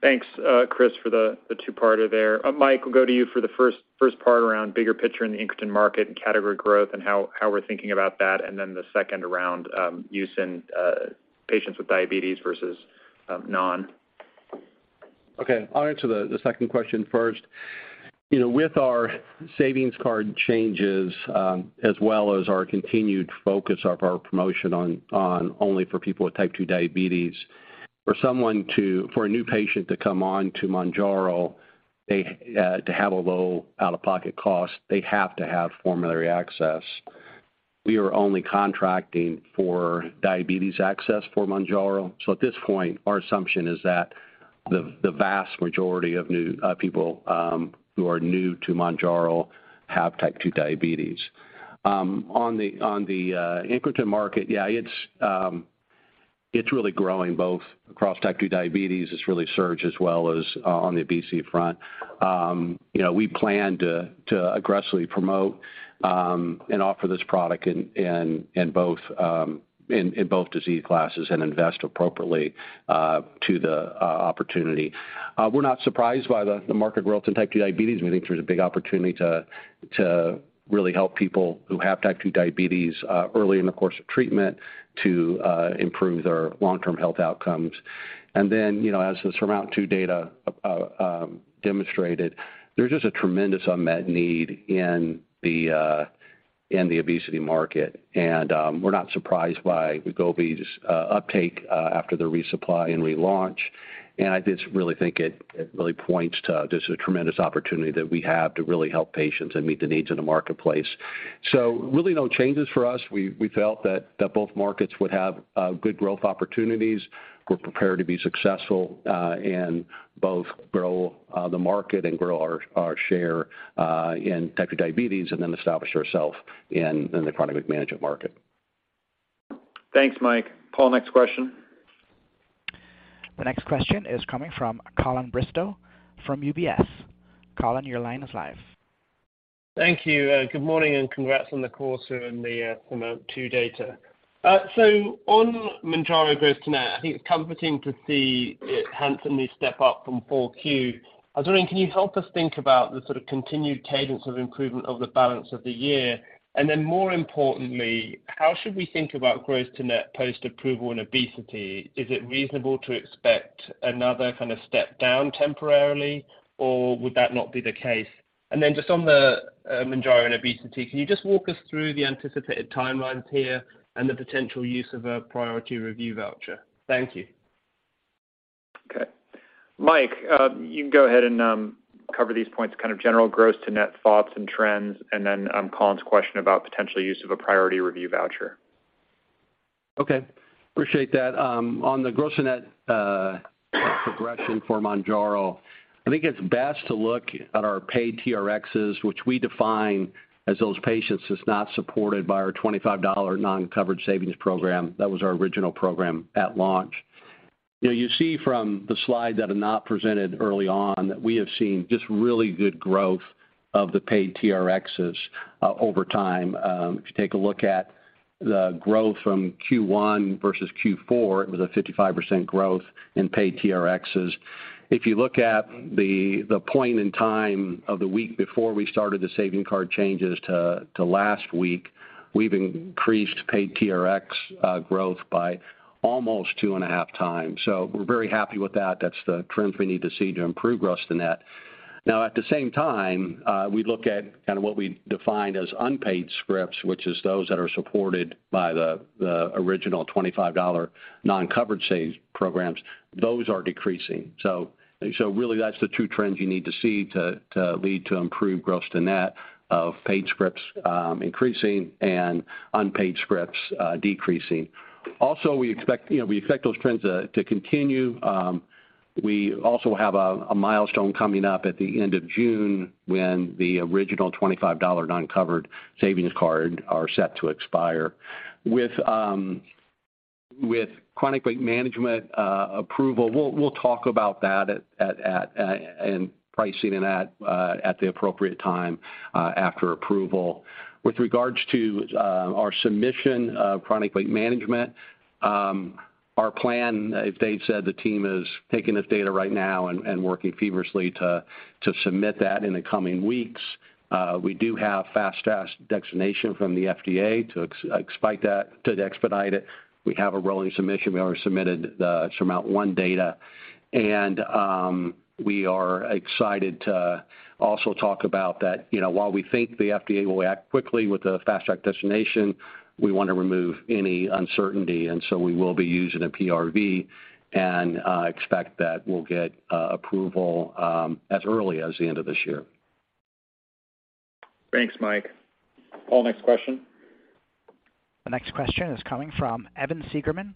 Thanks, Chris, for the two-parter there. Mike, we'll go to you for the first part around bigger picture in the incretin market and category growth and how we're thinking about that, and then the second around, use in, patients with diabetes versus, non. Okay. I'll answer the second question first. You know, with our savings card changes, as well as our continued focus of our promotion on only for people with type two diabetes, for a new patient to come on to Mounjaro, they to have a low out-of-pocket cost, they have to have formulary access. We are only contracting for diabetes access for Mounjaro. At this point, our assumption is that the vast majority of new people who are new to Mounjaro have type two diabetes. On the incretin market, yeah, it's really growing both across type two diabetes, it's really surged as well as on the obesity front. You know, we plan to aggressively promote and offer this product in both disease classes and invest appropriately to the opportunity. We're not surprised by the market growth in type 2 diabetes. We think there's a big opportunity to really help people who have type 2 diabetes early in the course of treatment to improve their long-term health outcomes. You know, as the SURMOUNT-2 data demonstrated, there's just a tremendous unmet need in the obesity market. We're not surprised by Wegovy's uptake after the resupply and relaunch. I just really think it really points to just a tremendous opportunity that we have to really help patients and meet the needs of the marketplace. Really no changes for us. We felt that both markets would have good growth opportunities. We're prepared to be successful and both grow the market and grow our share in type 2 diabetes and then establish ourselves in the chronic weight management market. Thanks, Mike. Paul, next question. The next question is coming from Colin Bristow from UBS. Colin, your line is live. Thank you. Good morning. Congrats on the quarter and the SURMOUNT-2 data. On Mounjaro gross to net, I think it's comforting to see it handsomely step up from 4Q. I was wondering, can you help us think about the sort of continued cadence of improvement of the balance of the year? More importantly, how should we think about gross to net post-approval in obesity? Is it reasonable to expect another kind of step down temporarily, or would that not be the case? Just on the Mounjaro and obesity, can you just walk us through the anticipated timelines here and the potential use of a priority review voucher? Thank you. Okay. Mike, you can go ahead and cover these points, kind of general gross to net thoughts and trends, and then Colin's question about potential use of a priority review voucher. Okay. Appreciate that. On the gross to net progression for Mounjaro, I think it's best to look at our paid TRXs, which we define as those patients that's not supported by our $25 non-coverage savings program. That was our original program at launch. You know, you see from the slide that Anat presented early on that we have seen just really good growth of the paid TRXs over time. If you take a look at the growth from Q1 versus Q4, it was a 55% growth in paid TRXs. If you look at the point in time of the week before we started the saving card changes to last week, we've increased paid TRX growth by almost 2.5x. We're very happy with that. That's the trends we need to see to improve gross to net. At the same time, we look at kinda what we defined as unpaid scripts, which is those that are supported by the original $25 non-coverage save programs. Those are decreasing. Really, that's the two trends you need to see to lead to improved gross to net of paid scripts, increasing and unpaid scripts, decreasing. We expect, you know, we expect those trends to continue. We also have a milestone coming up at the end of June when the original $25 non-covered savings card are set to expire. With chronic weight management approval, we'll talk about that at and pricing and that at the appropriate time after approval. With regards to our submission of chronic weight management, our plan, as Dave said, the team is taking this data right now and working feverishly to submit that in the coming weeks. We do have Fast Track designation from the FDA to expedite it. We have a rolling submission. We already submitted the SURMOUNT-1 data, and we are excited to also talk about that. You know, while we think the FDA will act quickly with the Fast Track designation, we want to remove any uncertainty, and so we will be using a PRV and expect that we'll get approval as early as the end of this year. Thanks, Mike. Paul, next question. The next question is coming from Evan Seigerman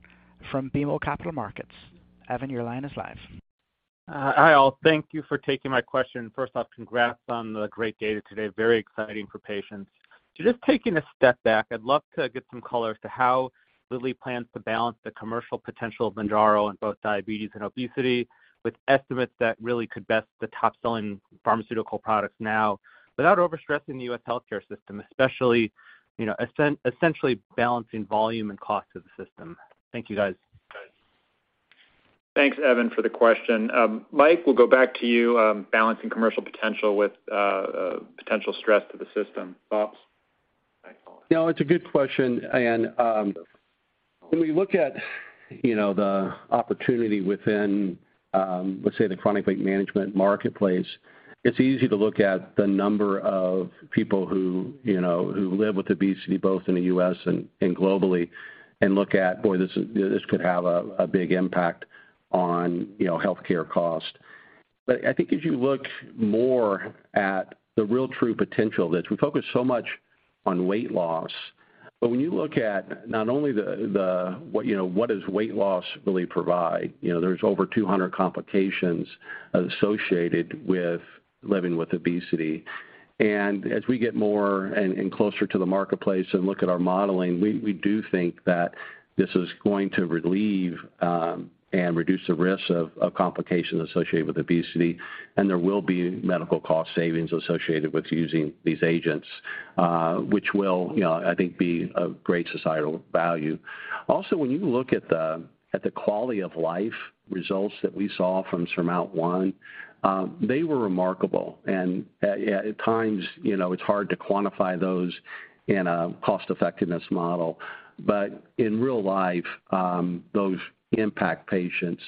from BMO Capital Markets. Evan, your line is live. Hi, all. Thank you for taking my question. First off, congrats on the great data today. Very exciting for patients. Just taking a step back, I'd love to get some color as to how Lilly plans to balance the commercial potential of Mounjaro in both diabetes and obesity, with estimates that really could best the top-selling pharmaceutical products now without overstressing the U.S. healthcare system, especially, you know, essentially balancing volume and cost to the system. Thank you, guys. Thanks, Evan, for the question. Mike, we'll go back to you, balancing commercial potential with, potential stress to the system. Thoughts? Yeah, it's a good question. When we look at, you know, the opportunity within, let's say, the chronic weight management marketplace, it's easy to look at the number of people who, you know, who live with obesity, both in the US and globally, and look at, boy, this could have a big impact on, you know, healthcare cost. I think as you look more at the real true potential of this, we focus so much on weight loss. When you look at not only the, what, you know, what does weight loss really provide? You know, there's over 200 complications associated with living with obesity. As we get more and closer to the marketplace and look at our modeling, we do think that this is going to relieve and reduce the risk of complications associated with obesity. There will be medical cost savings associated with using these agents, which will, you know, I think be of great societal value. Also, when you look at the quality of life results that we saw from SURMOUNT-1, they were remarkable. At times, you know, it's hard to quantify those in a cost-effectiveness model. In real life, those impact patients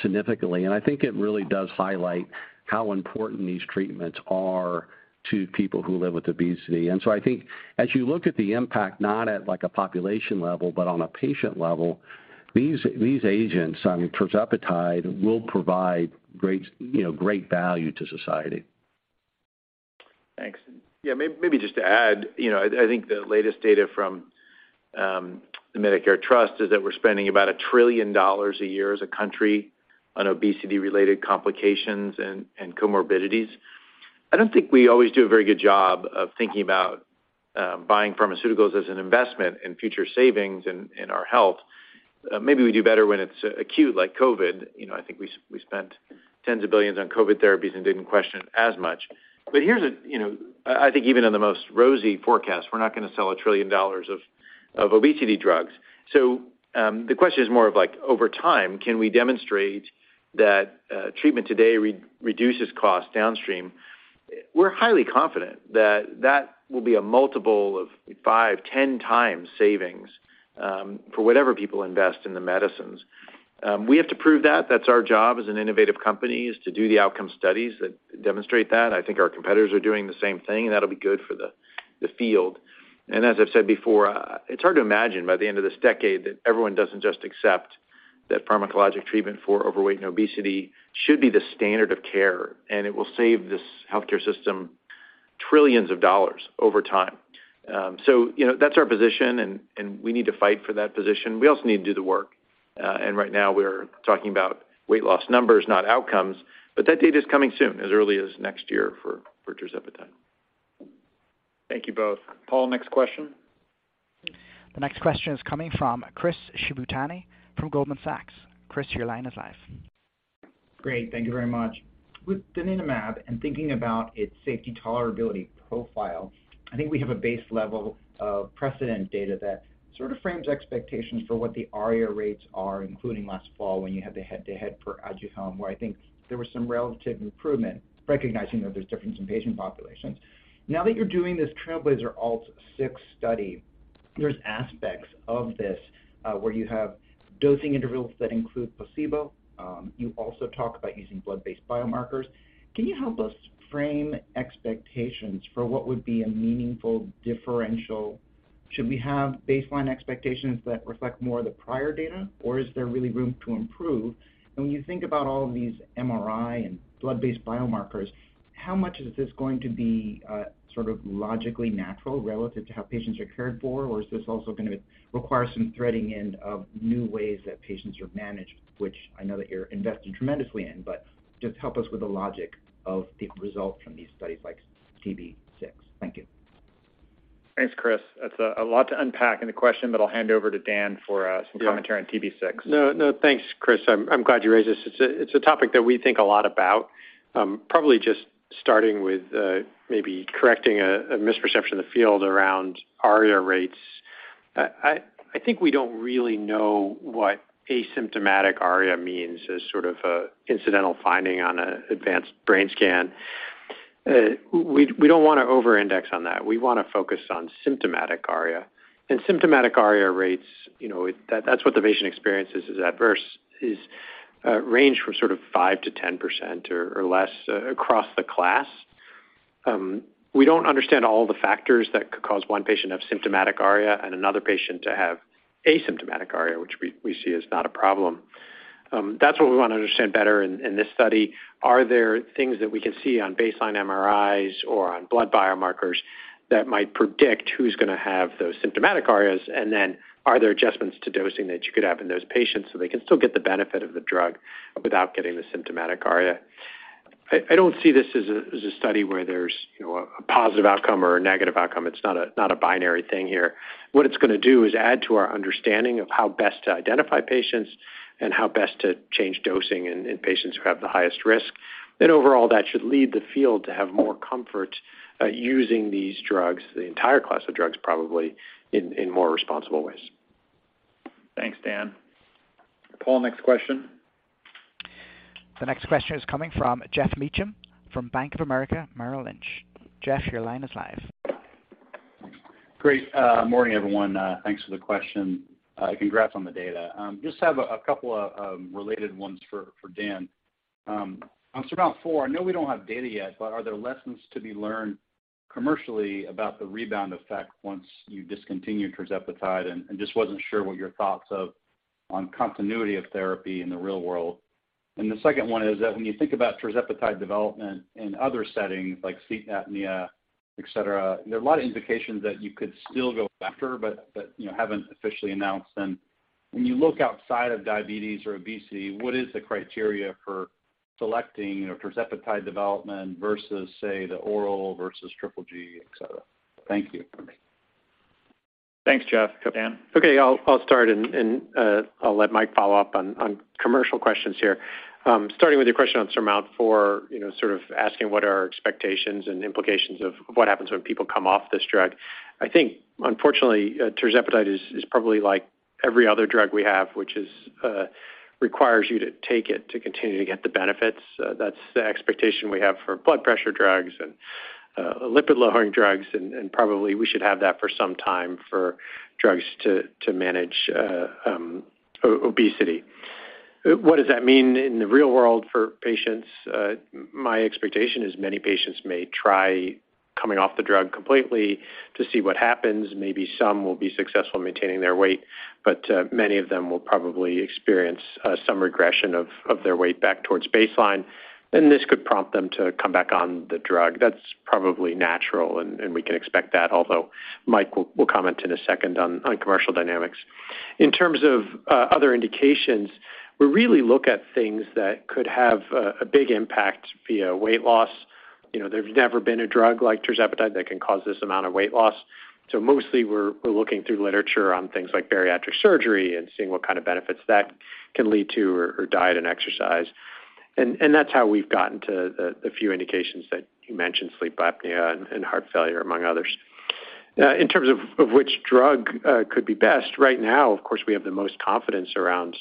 significantly. I think it really does highlight how important these treatments are to people who live with obesity. I think as you look at the impact, not at, like, a population level, but on a patient level, these agents on tirzepatide will provide great, you know, great value to society. Thanks. Yeah. Maybe just to add, you know, I think the latest data from the Medicare trust is that we're spending about $1 trillion a year as a country on obesity-related complications and comorbidities. I don't think we always do a very good job of thinking about buying pharmaceuticals as an investment in future savings in our health. Maybe we do better when it's acute, like COVID. You know, I think we spent tens of billions of dollars on COVID therapies and didn't question it as much. Here's a, you know. I think even in the most rosy forecast, we're not going to sell $1 trillion of obesity drugs. The question is more of, like, over time, can we demonstrate that treatment today reduces costs downstream? We're highly confident that that will be a multiple of 5, 10x savings for whatever people invest in the medicines. We have to prove that. That's our job as an innovative company, is to do the outcome studies that demonstrate that. I think our competitors are doing the same thing, and that'll be good for the field. As I've said before, it's hard to imagine by the end of this decade that everyone doesn't just accept that pharmacologic treatment for overweight and obesity should be the standard of care, and it will save this healthcare system trillions of dollars over time. You know, that's our position, and we need to fight for that position. We also need to do the work. Right now we're talking about weight loss numbers, not outcomes. That data is coming soon, as early as next year for tirzepatide. Thank you both. Paul, next question. The next question is coming from Chris Shibutani from Goldman Sachs. Chris, your line is live. Great. Thank you very much. With donanemab and thinking about its safety tolerability profile, I think we have a base level of precedent data that sort of frames expectations for what the ARIA rates are, including last fall when you had the head-to-head for Aduhelm, where I think there was some relative improvement, recognizing that there's difference in patient populations. Now that you're doing this TRAILBLAZER-ALZ 6 study, there's aspects of this where you have dosing intervals that include placebo. You also talk about using blood-based biomarkers. Can you help us frame expectations for what would be a meaningful differential? Should we have baseline expectations that reflect more of the prior data, or is there really room to improve? When you think about all of these MRI and blood-based biomarkers, how much is this going to be, sort of logically natural relative to how patients are cared for? Is this also going to require some threading in of new ways that patients are managed, which I know that you're investing tremendously in, but just help us with the logic of the results from these studies like TB-6. Thank you. Thanks, Chris. That's a lot to unpack in the question, but I'll hand over to Dan for some commentary on TB-6. No, thanks, Chris. I'm glad you raised this. It's a topic that we think a lot about. Probably just starting with correcting a misperception in the field around ARIA rates. I think we don't really know what asymptomatic ARIA means as sort of a incidental finding on an advanced brain scan. We don't wanna over-index on that. We wanna focus on symptomatic ARIA. And symptomatic ARIA rates, you know, that's what the patient experiences is adverse, is, range from sort of 5% to 10% or less across the class. We don't understand all the factors that could cause one patient to have symptomatic ARIA and another patient to have asymptomatic ARIA, which we see as not a problem. That's what we wanna understand better in this study. Are there things that we can see on baseline MRIs or on blood biomarkers that might predict who's gonna have those symptomatic ARIAs? Then are there adjustments to dosing that you could have in those patients, so they can still get the benefit of the drug without getting the symptomatic ARIA? I don't see this as a, as a study where there's, you know, a positive outcome or a negative outcome. It's not a binary thing here. What it's gonna do is add to our understanding of how best to identify patients and how best to change dosing in patients who have the highest risk. Overall, that should lead the field to have more comfort using these drugs, the entire class of drugs probably, in more responsible ways. Thanks, Dan. Paul, next question. The next question is coming from Geoff Meacham from Bank of America Merrill Lynch. Jeff, your line is live. Great. Morning, everyone. Thanks for the question. Congrats on the data. Just have a couple related ones for Dan. About four, I know we don't have data yet, but are there lessons to be learned commercially about the rebound effect once you discontinue tirzepatide? Just wasn't sure what your thoughts of on continuity of therapy in the real world. The second one is that when you think about tirzepatide development in other settings like sleep apnea, et cetera, there are a lot of indications that you could still go after, but, you know, haven't officially announced. When you look outside of diabetes or obesity, what is the criteria for selecting, you know, tirzepatide development versus, say, the oral versus triple G, et cetera? Thank you. Thanks, Geoff. Dan. Okay. I'll start and I'll let Mike follow up on commercial questions here. Starting with your question on SURMOUNT-4, you know, sort of asking what are our expectations and implications of what happens when people come off this drug. I think unfortunately, tirzepatide is probably like every other drug we have, which requires you to take it to continue to get the benefits. That's the expectation we have for blood pressure drugs and lipid-lowering drugs. Probably we should have that for some time for drugs to manage obesity. What does that mean in the real world for patients? My expectation is many patients may try coming off the drug completely to see what happens. Maybe some will be successful in maintaining their weight, but many of them will probably experience some regression of their weight back towards baseline, and this could prompt them to come back on the drug. That's probably natural, and we can expect that, although Mike will comment in a second on commercial dynamics. In terms of other indications, we really look at things that could have a big impact via weight loss. You know, there's never been a drug like tirzepatide that can cause this amount of weight loss. Mostly we're looking through literature on things like bariatric surgery and seeing what kind of benefits that can lead to or diet and exercise. That's how we've gotten to the few indications that you mentioned, sleep apnea and heart failure among others. In terms of which drug could be best, right now, of course, we have the most confidence around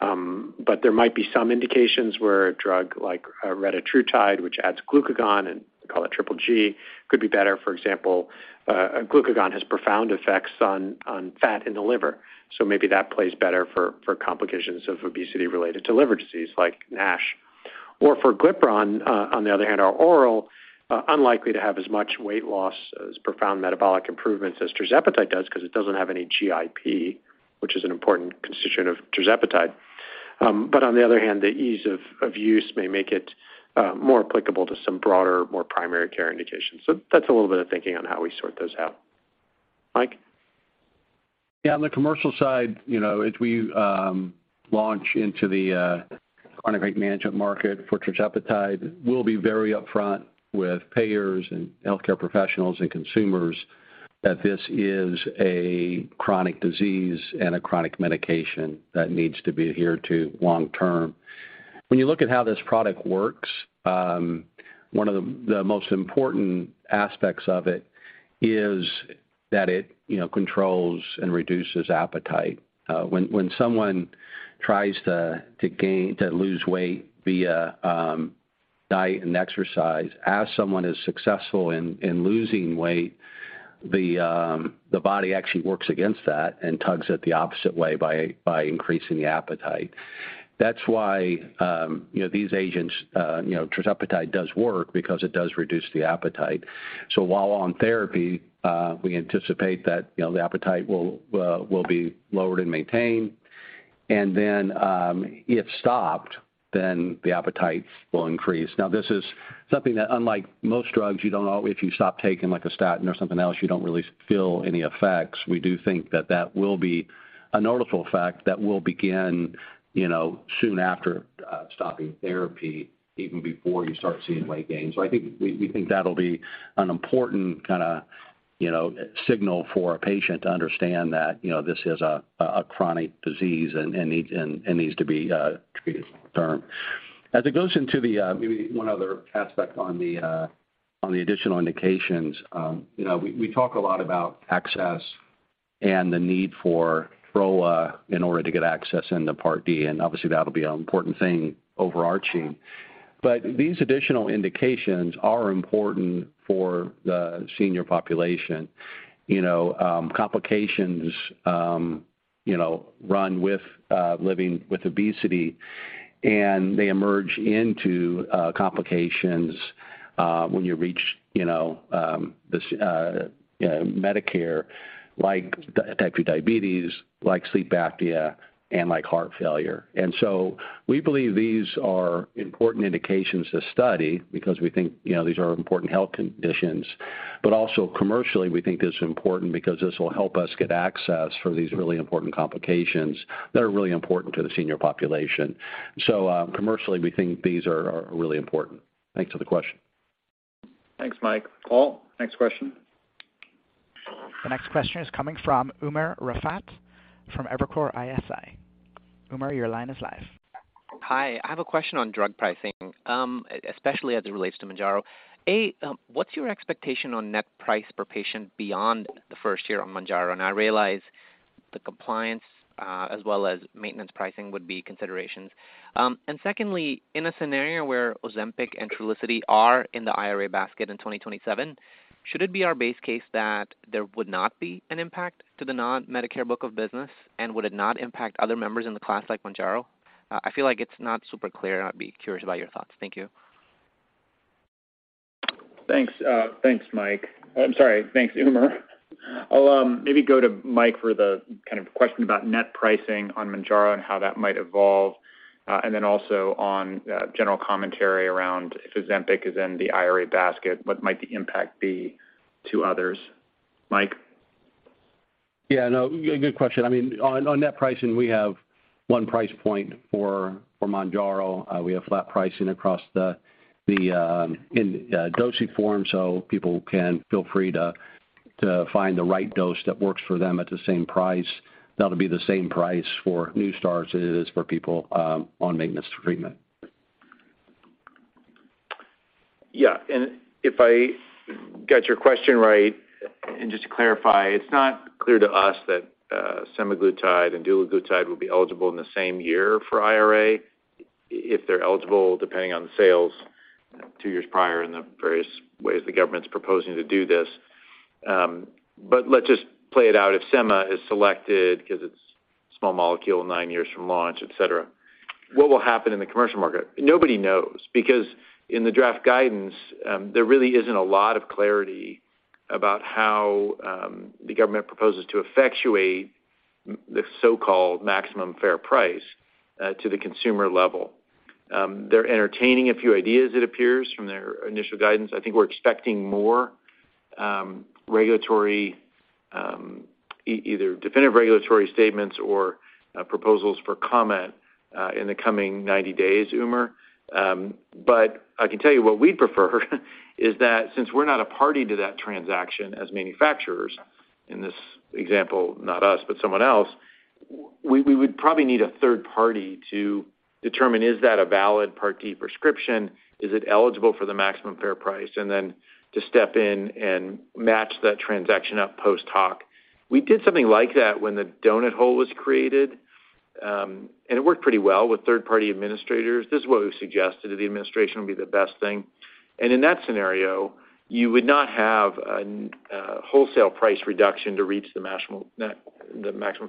tirzepatide. There might be some indications where a drug like retatrutide, which adds glucagon, and we call it triple G, could be better. For example, glucagon has profound effects on fat in the liver, so maybe that plays better for complications of obesity related to liver disease like NASH. For orforglipron, on the other hand, our oral, unlikely to have as much weight loss as profound metabolic improvements as tirzepatide does 'cause it doesn't have any GIP, which is an important constituent of tirzepatide. On the other hand, the ease of use may make it more applicable to some broader, more primary care indications. That's a little bit of thinking on how we sort those out. Mike? Yeah. On the commercial side, you know, as we launch into the chronic weight management market for tirzepatide, we'll be very upfront with payers and healthcare professionals and consumers that this is a chronic disease and a chronic medication that needs to be adhered to long term. When you look at how this product works, one of the most important aspects of it is that it, you know, controls and reduces appetite. When someone tries to lose weight via diet and exercise, as someone is successful in losing weight, the body actually works against that and tugs it the opposite way by increasing the appetite. That's why, you know, these agents, you know, tirzepatide does work because it does reduce the appetite. While on therapy, we anticipate that, you know, the appetite will be lowered and maintained. If stopped, then the appetite will increase. This is something that unlike most drugs, you don't always. If you stop taking like a statin or something else, you don't really feel any effects. We do think that that will be a notable effect that will begin, you know, soon after stopping therapy even before you start seeing weight gain. I think we think that'll be an important kinda, you know, signal for a patient to understand that, you know, this is a chronic disease and needs to be treated long term. As it goes into the, maybe one other aspect on the additional indications, you know, we talk a lot about access and the need for in order to get access into Part D, and obviously that'll be an important thing overarching. These additional indications are important for the senior population. You know, complications, you know, run with living with obesity, and they emerge into complications when you reach, you know, Medicare, like type 2 diabetes, like sleep apnea, and like heart failure. We believe these are important indications to study because we think, you know, these are important health conditions. Also commercially, we think this is important because this will help us get access for these really important complications that are really important to the senior population. Commercially, we think these are really important. Thanks for the question. Thanks, Mike. Paul, next question. The next question is coming from Umer Raffat from Evercore ISI. Umar, your line is live. Hi. I have a question on drug pricing, especially as it relates to Mounjaro. What's your expectation on net price per patient beyond the first year on Mounjaro? I realize the compliance, as well as maintenance pricing would be considerations. Secondly, in a scenario where Ozempic and Trulicity are in the IRA basket in 2027, should it be our base case that there would not be an impact to the non-Medicare book of business, and would it not impact other members in the class like Mounjaro? I feel like it's not super clear, I'd be curious about your thoughts. Thank you. Thanks. Thanks, Umer. I'll maybe go to Mike for the kind of question about net pricing on Mounjaro and how that might evolve, and then also on general commentary around if Ozempic is in the IRA basket, what might the impact be to others. Mike? Yeah, no, good question. I mean, on net pricing, we have one price point for Mounjaro. We have flat pricing across the in dosing form, people can feel free to find the right dose that works for them at the same price. That'll be the same price for new starters as it is for people on maintenance treatment. Yeah. If I got your question right, and just to clarify, it's not clear to us that semaglutide and dulaglutide will be eligible in the same year for IRA if they're eligible, depending on the sales two years prior in the various ways the government's proposing to do this. Let's just play it out. If Sema is selected 'cause it's small molecule, nine years from launch, et cetera, what will happen in the commercial market? Nobody knows because in the draft guidance, there really isn't a lot of clarity about how the government proposes to effectuate the so-called maximum fair price to the consumer level. They're entertaining a few ideas, it appears, from their initial guidance. I think we're expecting more regulatory either definitive regulatory statements or proposals for comment in the coming 90 days, Umer. I can tell you what we'd prefer is that since we're not a party to that transaction as manufacturers, in this example, not us, but someone else, we would probably need a third party to determine is that a valid Part D prescription? Is it eligible for the maximum fair price? Then to step in and match that transaction up post-hoc. We did something like that when the donut hole was created, and it worked pretty well with third-party administrators. This is what we've suggested to the administration would be the best thing. In that scenario, you would not have a wholesale price reduction to reach the maximum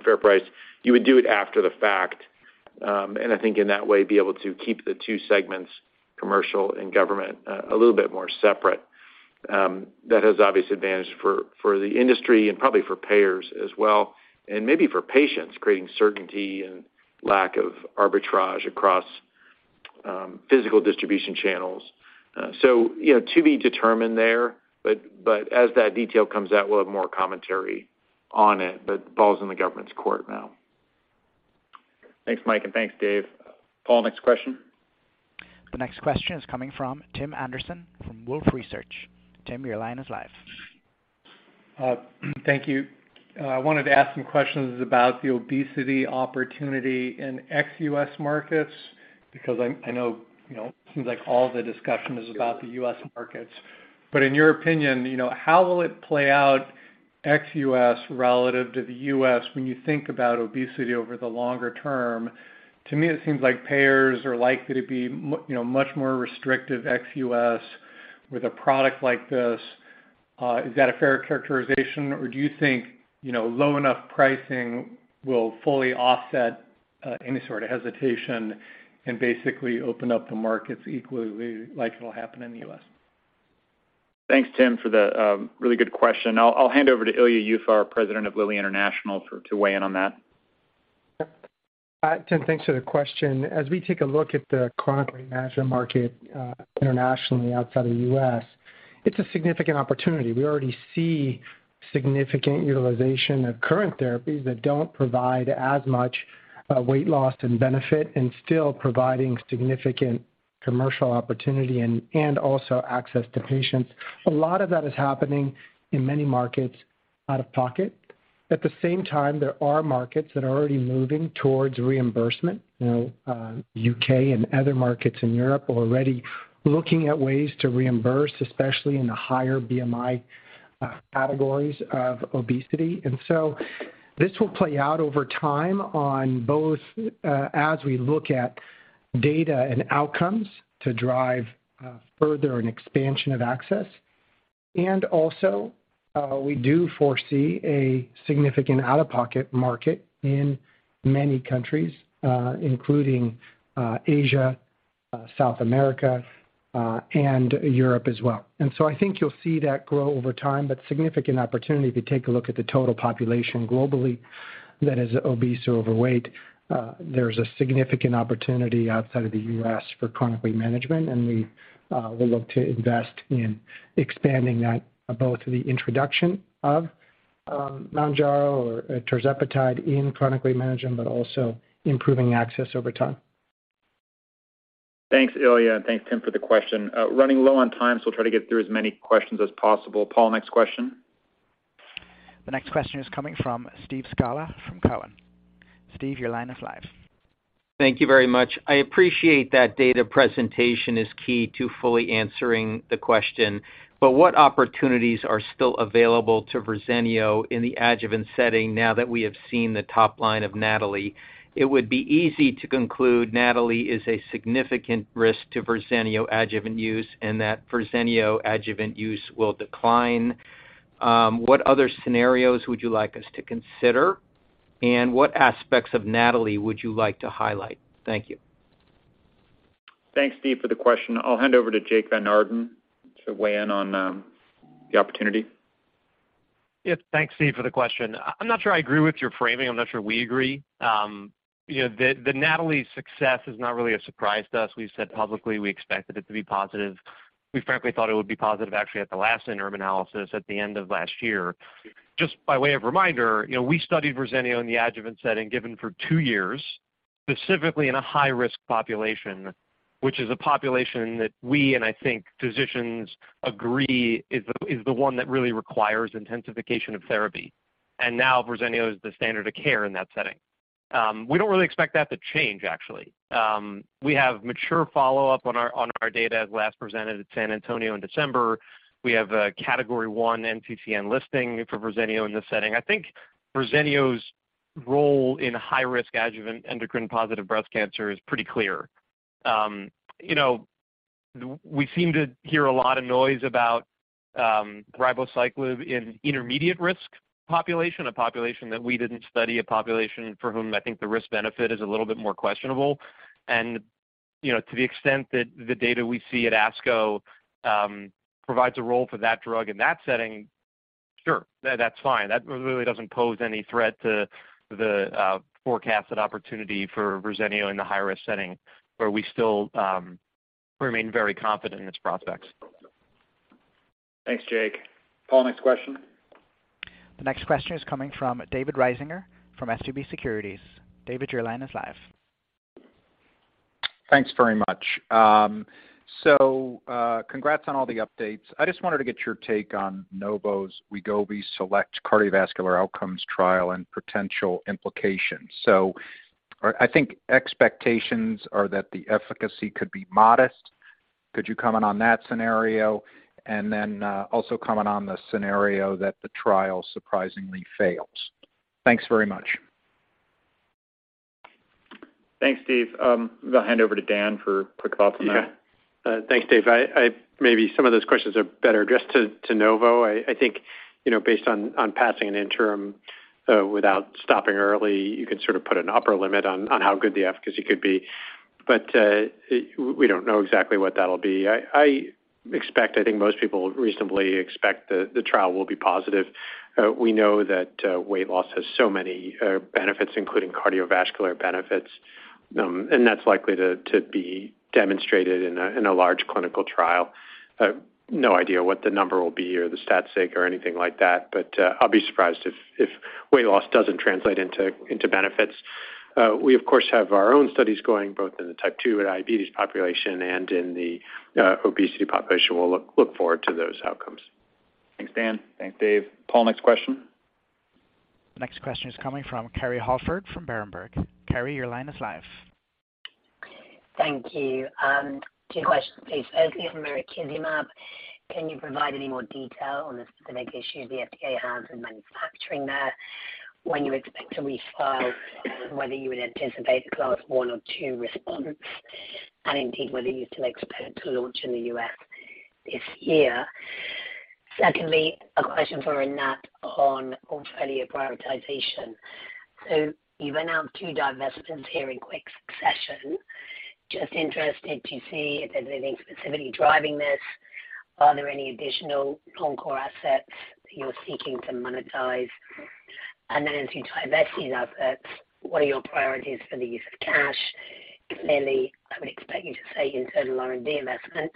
fair price. You would do it after the fact, and I think in that way, be able to keep the two segments, commercial and government, a little bit more separate. That has obvious advantage for the industry and probably for payers as well, and maybe for patients, creating certainty and lack of arbitrage across physical distribution channels. You know, to be determined there, but as that detail comes out, we'll have more commentary on it, but the ball's in the government's court now. Thanks, Mike, and thanks Dave. Paul, next question. The next question is coming from Tim Anderson from Wolfe Research. Tim, your line is live. Thank you. I wanted to ask some questions about the obesity opportunity in ex-US markets because I know, you know, it seems like all the discussion is about the US markets. In your opinion, you know, how will it play out ex-US relative to the US when you think about obesity over the longer term? To me, it seems like payers are likely to be you know, much more restrictive ex-US with a product like this. Is that a fair characterization, or do you think, you know, low enough pricing will fully offset, any sort of hesitation and basically open up the markets equally like it'll happen in the US? Thanks, Tim, for the really good question. I'll hand over to Ilya Yuffa, our President of Lilly International, to weigh in on that. Yep. Hi, Tim. Thanks for the question. As we take a look at the chronic weight management market, internationally outside of the U.S., it's a significant opportunity. We already see significant utilization of current therapies that don't provide as much weight loss and benefit and still providing significant commercial opportunity and also access to patients. A lot of that is happening in many markets out of pocket. At the same time, there are markets that are already moving towards reimbursement. You know, U.K. and other markets in Europe are already looking at ways to reimburse, especially in the higher BMI categories of obesity. This will play out over time on both, as we look at data and outcomes to drive further an expansion of access. Also, we do foresee a significant out-of-pocket market in many countries, including Asia, South America, and Europe as well. I think you'll see that grow over time, but significant opportunity if you take a look at the total population globally that is obese or overweight, there's a significant opportunity outside of the US for chronic weight management, and we will look to invest in expanding that, both the introduction of Mounjaro or tirzepatide in chronic weight management, but also improving access over time. Thanks, Ilya, thanks, Tim, for the question. Running low on time, we'll try to get through as many questions as possible. Paul, next question. The next question is coming from Steve Scala from Cowen. Steve, your line is live. Thank you very much. I appreciate that data presentation is key to fully answering the question, but what opportunities are still available to Verzenio in the adjuvant setting now that we have seen the top line of NATALEE? It would be easy to conclude NATALEE is a significant risk to Verzenio adjuvant use, and that Verzenio adjuvant use will decline. What other scenarios would you like us to consider? What aspects of NATALEE would you like to highlight? Thank you. Thanks, Steve, for the question. I'll hand over to Jake Van Naarden to weigh in on the opportunity. Yes. Thanks, Steve, for the question. I'm not sure I agree with your framing. I'm not sure we agree. you know, the NATALEE success is not really a surprise to us. We've said publicly we expected it to be positive. We frankly thought it would be positive actually at the last interim analysis at the end of last year. Just by way of reminder, you know, we studied Verzenio in the adjuvant setting given for two years, specifically in a high-risk population, which is a population that we and I think physicians agree is the one that really requires intensification of therapy. Now Verzenio is the standard of care in that setting. We don't really expect that to change, actually. We have mature follow-up on our data as last presented at San Antonio in December. We have a Category 1 NCCN listing for Verzenio in this setting. I think Verzenio's role in high-risk adjuvant endocrine positive breast cancer is pretty clear. You know, we seem to hear a lot of noise about ribociclib in intermediate risk population, a population that we didn't study, a population for whom I think the risk benefit is a little bit more questionable. You know, to the extent that the data we see at ASCO provides a role for that drug in that setting, sure, that's fine. That really doesn't pose any threat to the forecasted opportunity for Verzenio in the high-risk setting, where we still remain very confident in its prospects. Thanks, Jake. Paul, next question. The next question is coming from David Risinger from SVB Securities. David, your line is live. Thanks very much. Congrats on all the updates. I just wanted to get your take on Novo's Wegovy SELECT cardiovascular outcomes trial and potential implications. I think expectations are that the efficacy could be modest. Could you comment on that scenario? Also comment on the scenario that the trial surprisingly fails. Thanks very much. Thanks, Steve. I'll hand over to Dan for quick thoughts on that. Okay. Thanks, Dave. I. Maybe some of those questions are better addressed to Novo. I think, you know, based on passing an interim without stopping early, you can sort of put an upper limit on how good the efficacy could be. We don't know exactly what that'll be. I expect, I think most people reasonably expect the trial will be positive. We know that weight loss has so many benefits, including cardiovascular benefits. That's likely to be demonstrated in a large clinical trial. No idea what the number will be or the stat sake or anything like that, but I'll be surprised if weight loss doesn't translate into benefits. We, of course, have our own studies going both in the type 2 diabetes population and in the obesity population. We'll look forward to those outcomes. Thanks, Dan. Thanks, Dave. Paul, next question. Next question is coming from Kerry Holford from Berenberg. Kerry, your line is live. Thank you. Two questions, please. Firstly, on mirikizumab, can you provide any more detail on the specific issues the FDA has in manufacturing there? When you expect to refile, whether you would anticipate a class one or two response? Indeed, whether you still expect to launch in the US this year? Secondly, a question for Anat Ashkenazi on portfolio prioritization. You've announced two divestments here in quick succession. Just interested to see if there's anything specifically driving this. Are there any additional non-core assets you're seeking to monetize? As you divest these assets, what are your priorities for the use of cash? Clearly, I would expect you to say internal R&D investment,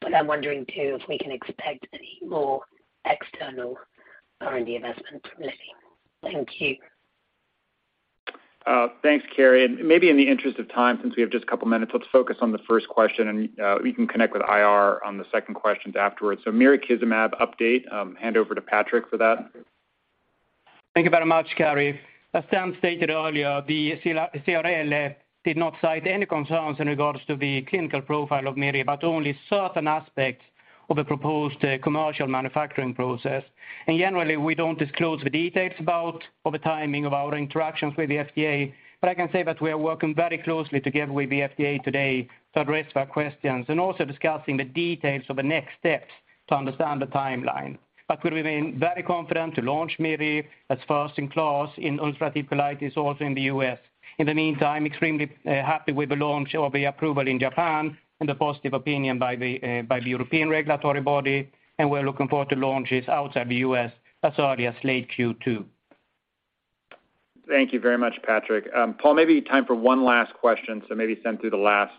but I'm wondering too, if we can expect any more external R&D investment from Lilly. Thank you. Thanks, Kerry. Maybe in the interest of time, since we have just couple of minutes, let's focus on the first question and we can connect with IR on the second questions afterwards. Mirikizumab update, hand over to Patrik for that. Thank you very much, Kerry. As Dan stated earlier, the CRL did not cite any concerns in regards to the clinical profile of mirikizumab, but only certain aspects of the proposed commercial manufacturing process. Generally, we don't disclose the details about or the timing of our interactions with the FDA, but I can say that we are working very closely together with the FDA today to address their questions and also discussing the details of the next steps to understand the timeline. We remain very confident to launch mirikizumab as first in class in ulcerative colitis also in the U.S. In the meantime, extremely happy with the launch or the approval in Japan and the positive opinion by the European regulatory body, we're looking forward to launches outside the U.S. as early as late Q2. Thank you very much, Patrik. Paul, maybe time for one last question. Maybe send through the last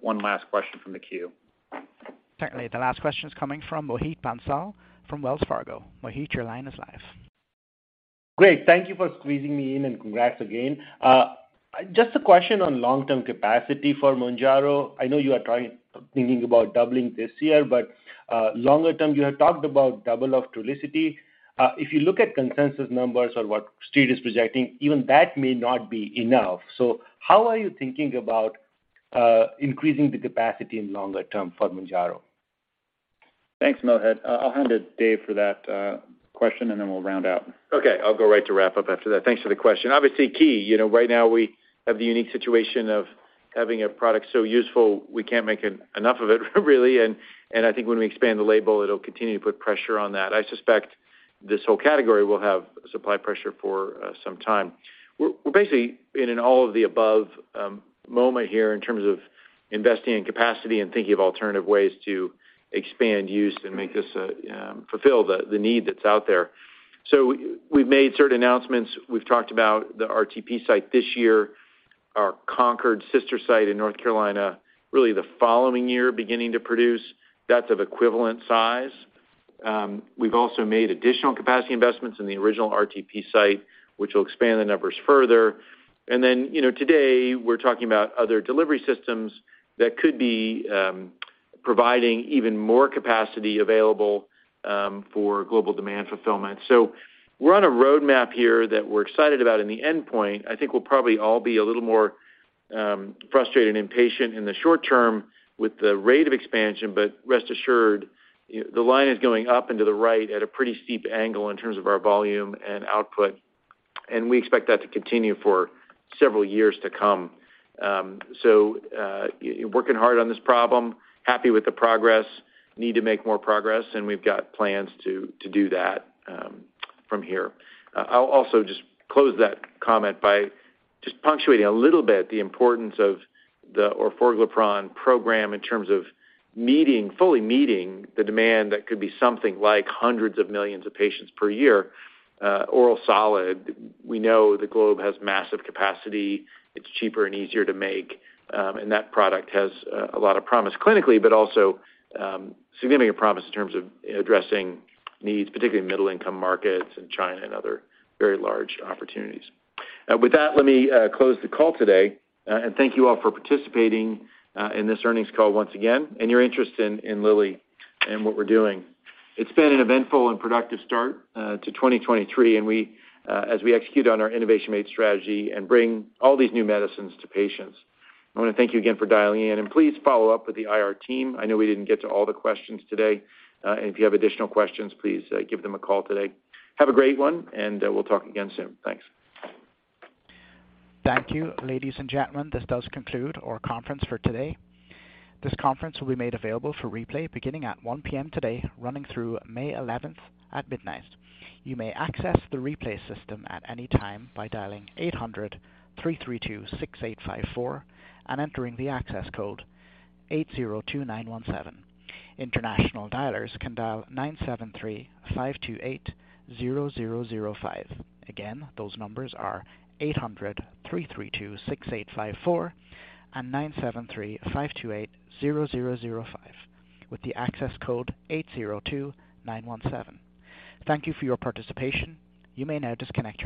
one last question from the queue. Certainly. The last question is coming from Mohit Bansal from Wells Fargo. Mohit, your line is live. Great. Thank you for squeezing me in. Congrats again. Just a question on long-term capacity for Mounjaro. I know you are thinking about doubling this year. Longer term, you have talked about double of Trulicity. If you look at consensus numbers or what street is projecting, even that may not be enough. How are you thinking about increasing the capacity in longer term for Mounjaro? Thanks, Mohit. I'll hand to Dave for that question, and then we'll round out. Okay. I'll go right to wrap up after that. Thanks for the question. Obviously, key. You know, right now we have the unique situation of having a product so useful, we can't make enough of it, really. I think when we expand the label, it'll continue to put pressure on that. I suspect this whole category will have supply pressure for some time. We're basically in an all of the above moment here in terms of investing in capacity and thinking of alternative ways to expand use and make this fulfill the need that's out there. We've made certain announcements. We've talked about the RTP site this year, our Concord sister site in North Carolina, really the following year beginning to produce. That's of equivalent size. We've also made additional capacity investments in the original RTP site, which will expand the numbers further. Then, you know, today we're talking about other delivery systems that could be providing even more capacity available for global demand fulfillment. We're on a roadmap here that we're excited about in the endpoint. I think we'll probably all be a little more frustrated and impatient in the short term with the rate of expansion, but rest assured, the line is going up into the right at a pretty steep angle in terms of our volume and output, and we expect that to continue for several years to come. Working hard on this problem, happy with the progress, need to make more progress, and we've got plans to do that from here. I'll also just close that comment by just punctuating a little bit the importance of the orforglipron program in terms of meeting, fully meeting the demand that could be something like hundreds of millions of patients per year, oral solid. We know the globe has massive capacity. It's cheaper and easier to make, and that product has a lot of promise clinically, but also significant promise in terms of addressing needs, particularly in middle income markets and China and other very large opportunities. With that, let me close the call today, and thank you all for participating in this earnings call once again and your interest in Lilly and what we're doing. It's been an eventful and productive start to 2023, as we execute on our innovation-made strategy and bring all these new medicines to patients. I wanna thank you again for dialing in. Please follow up with the IR team. I know we didn't get to all the questions today. If you have additional questions, please give them a call today. Have a great one, and we'll talk again soon. Thanks. Thank you. Ladies and gentlemen, this does conclude our conference for today. This conference will be made available for replay beginning at 1:00 P.M. today, running through May 11th at midnight. You may access the replay system at any time by dialing 800-332-6854 and entering the access code 802917. International dialers can dial 973-528-0005. Again, those numbers are 800-332-6854 and 973-528-0005 with the access code 802917. Thank you for your participation. You may now disconnect.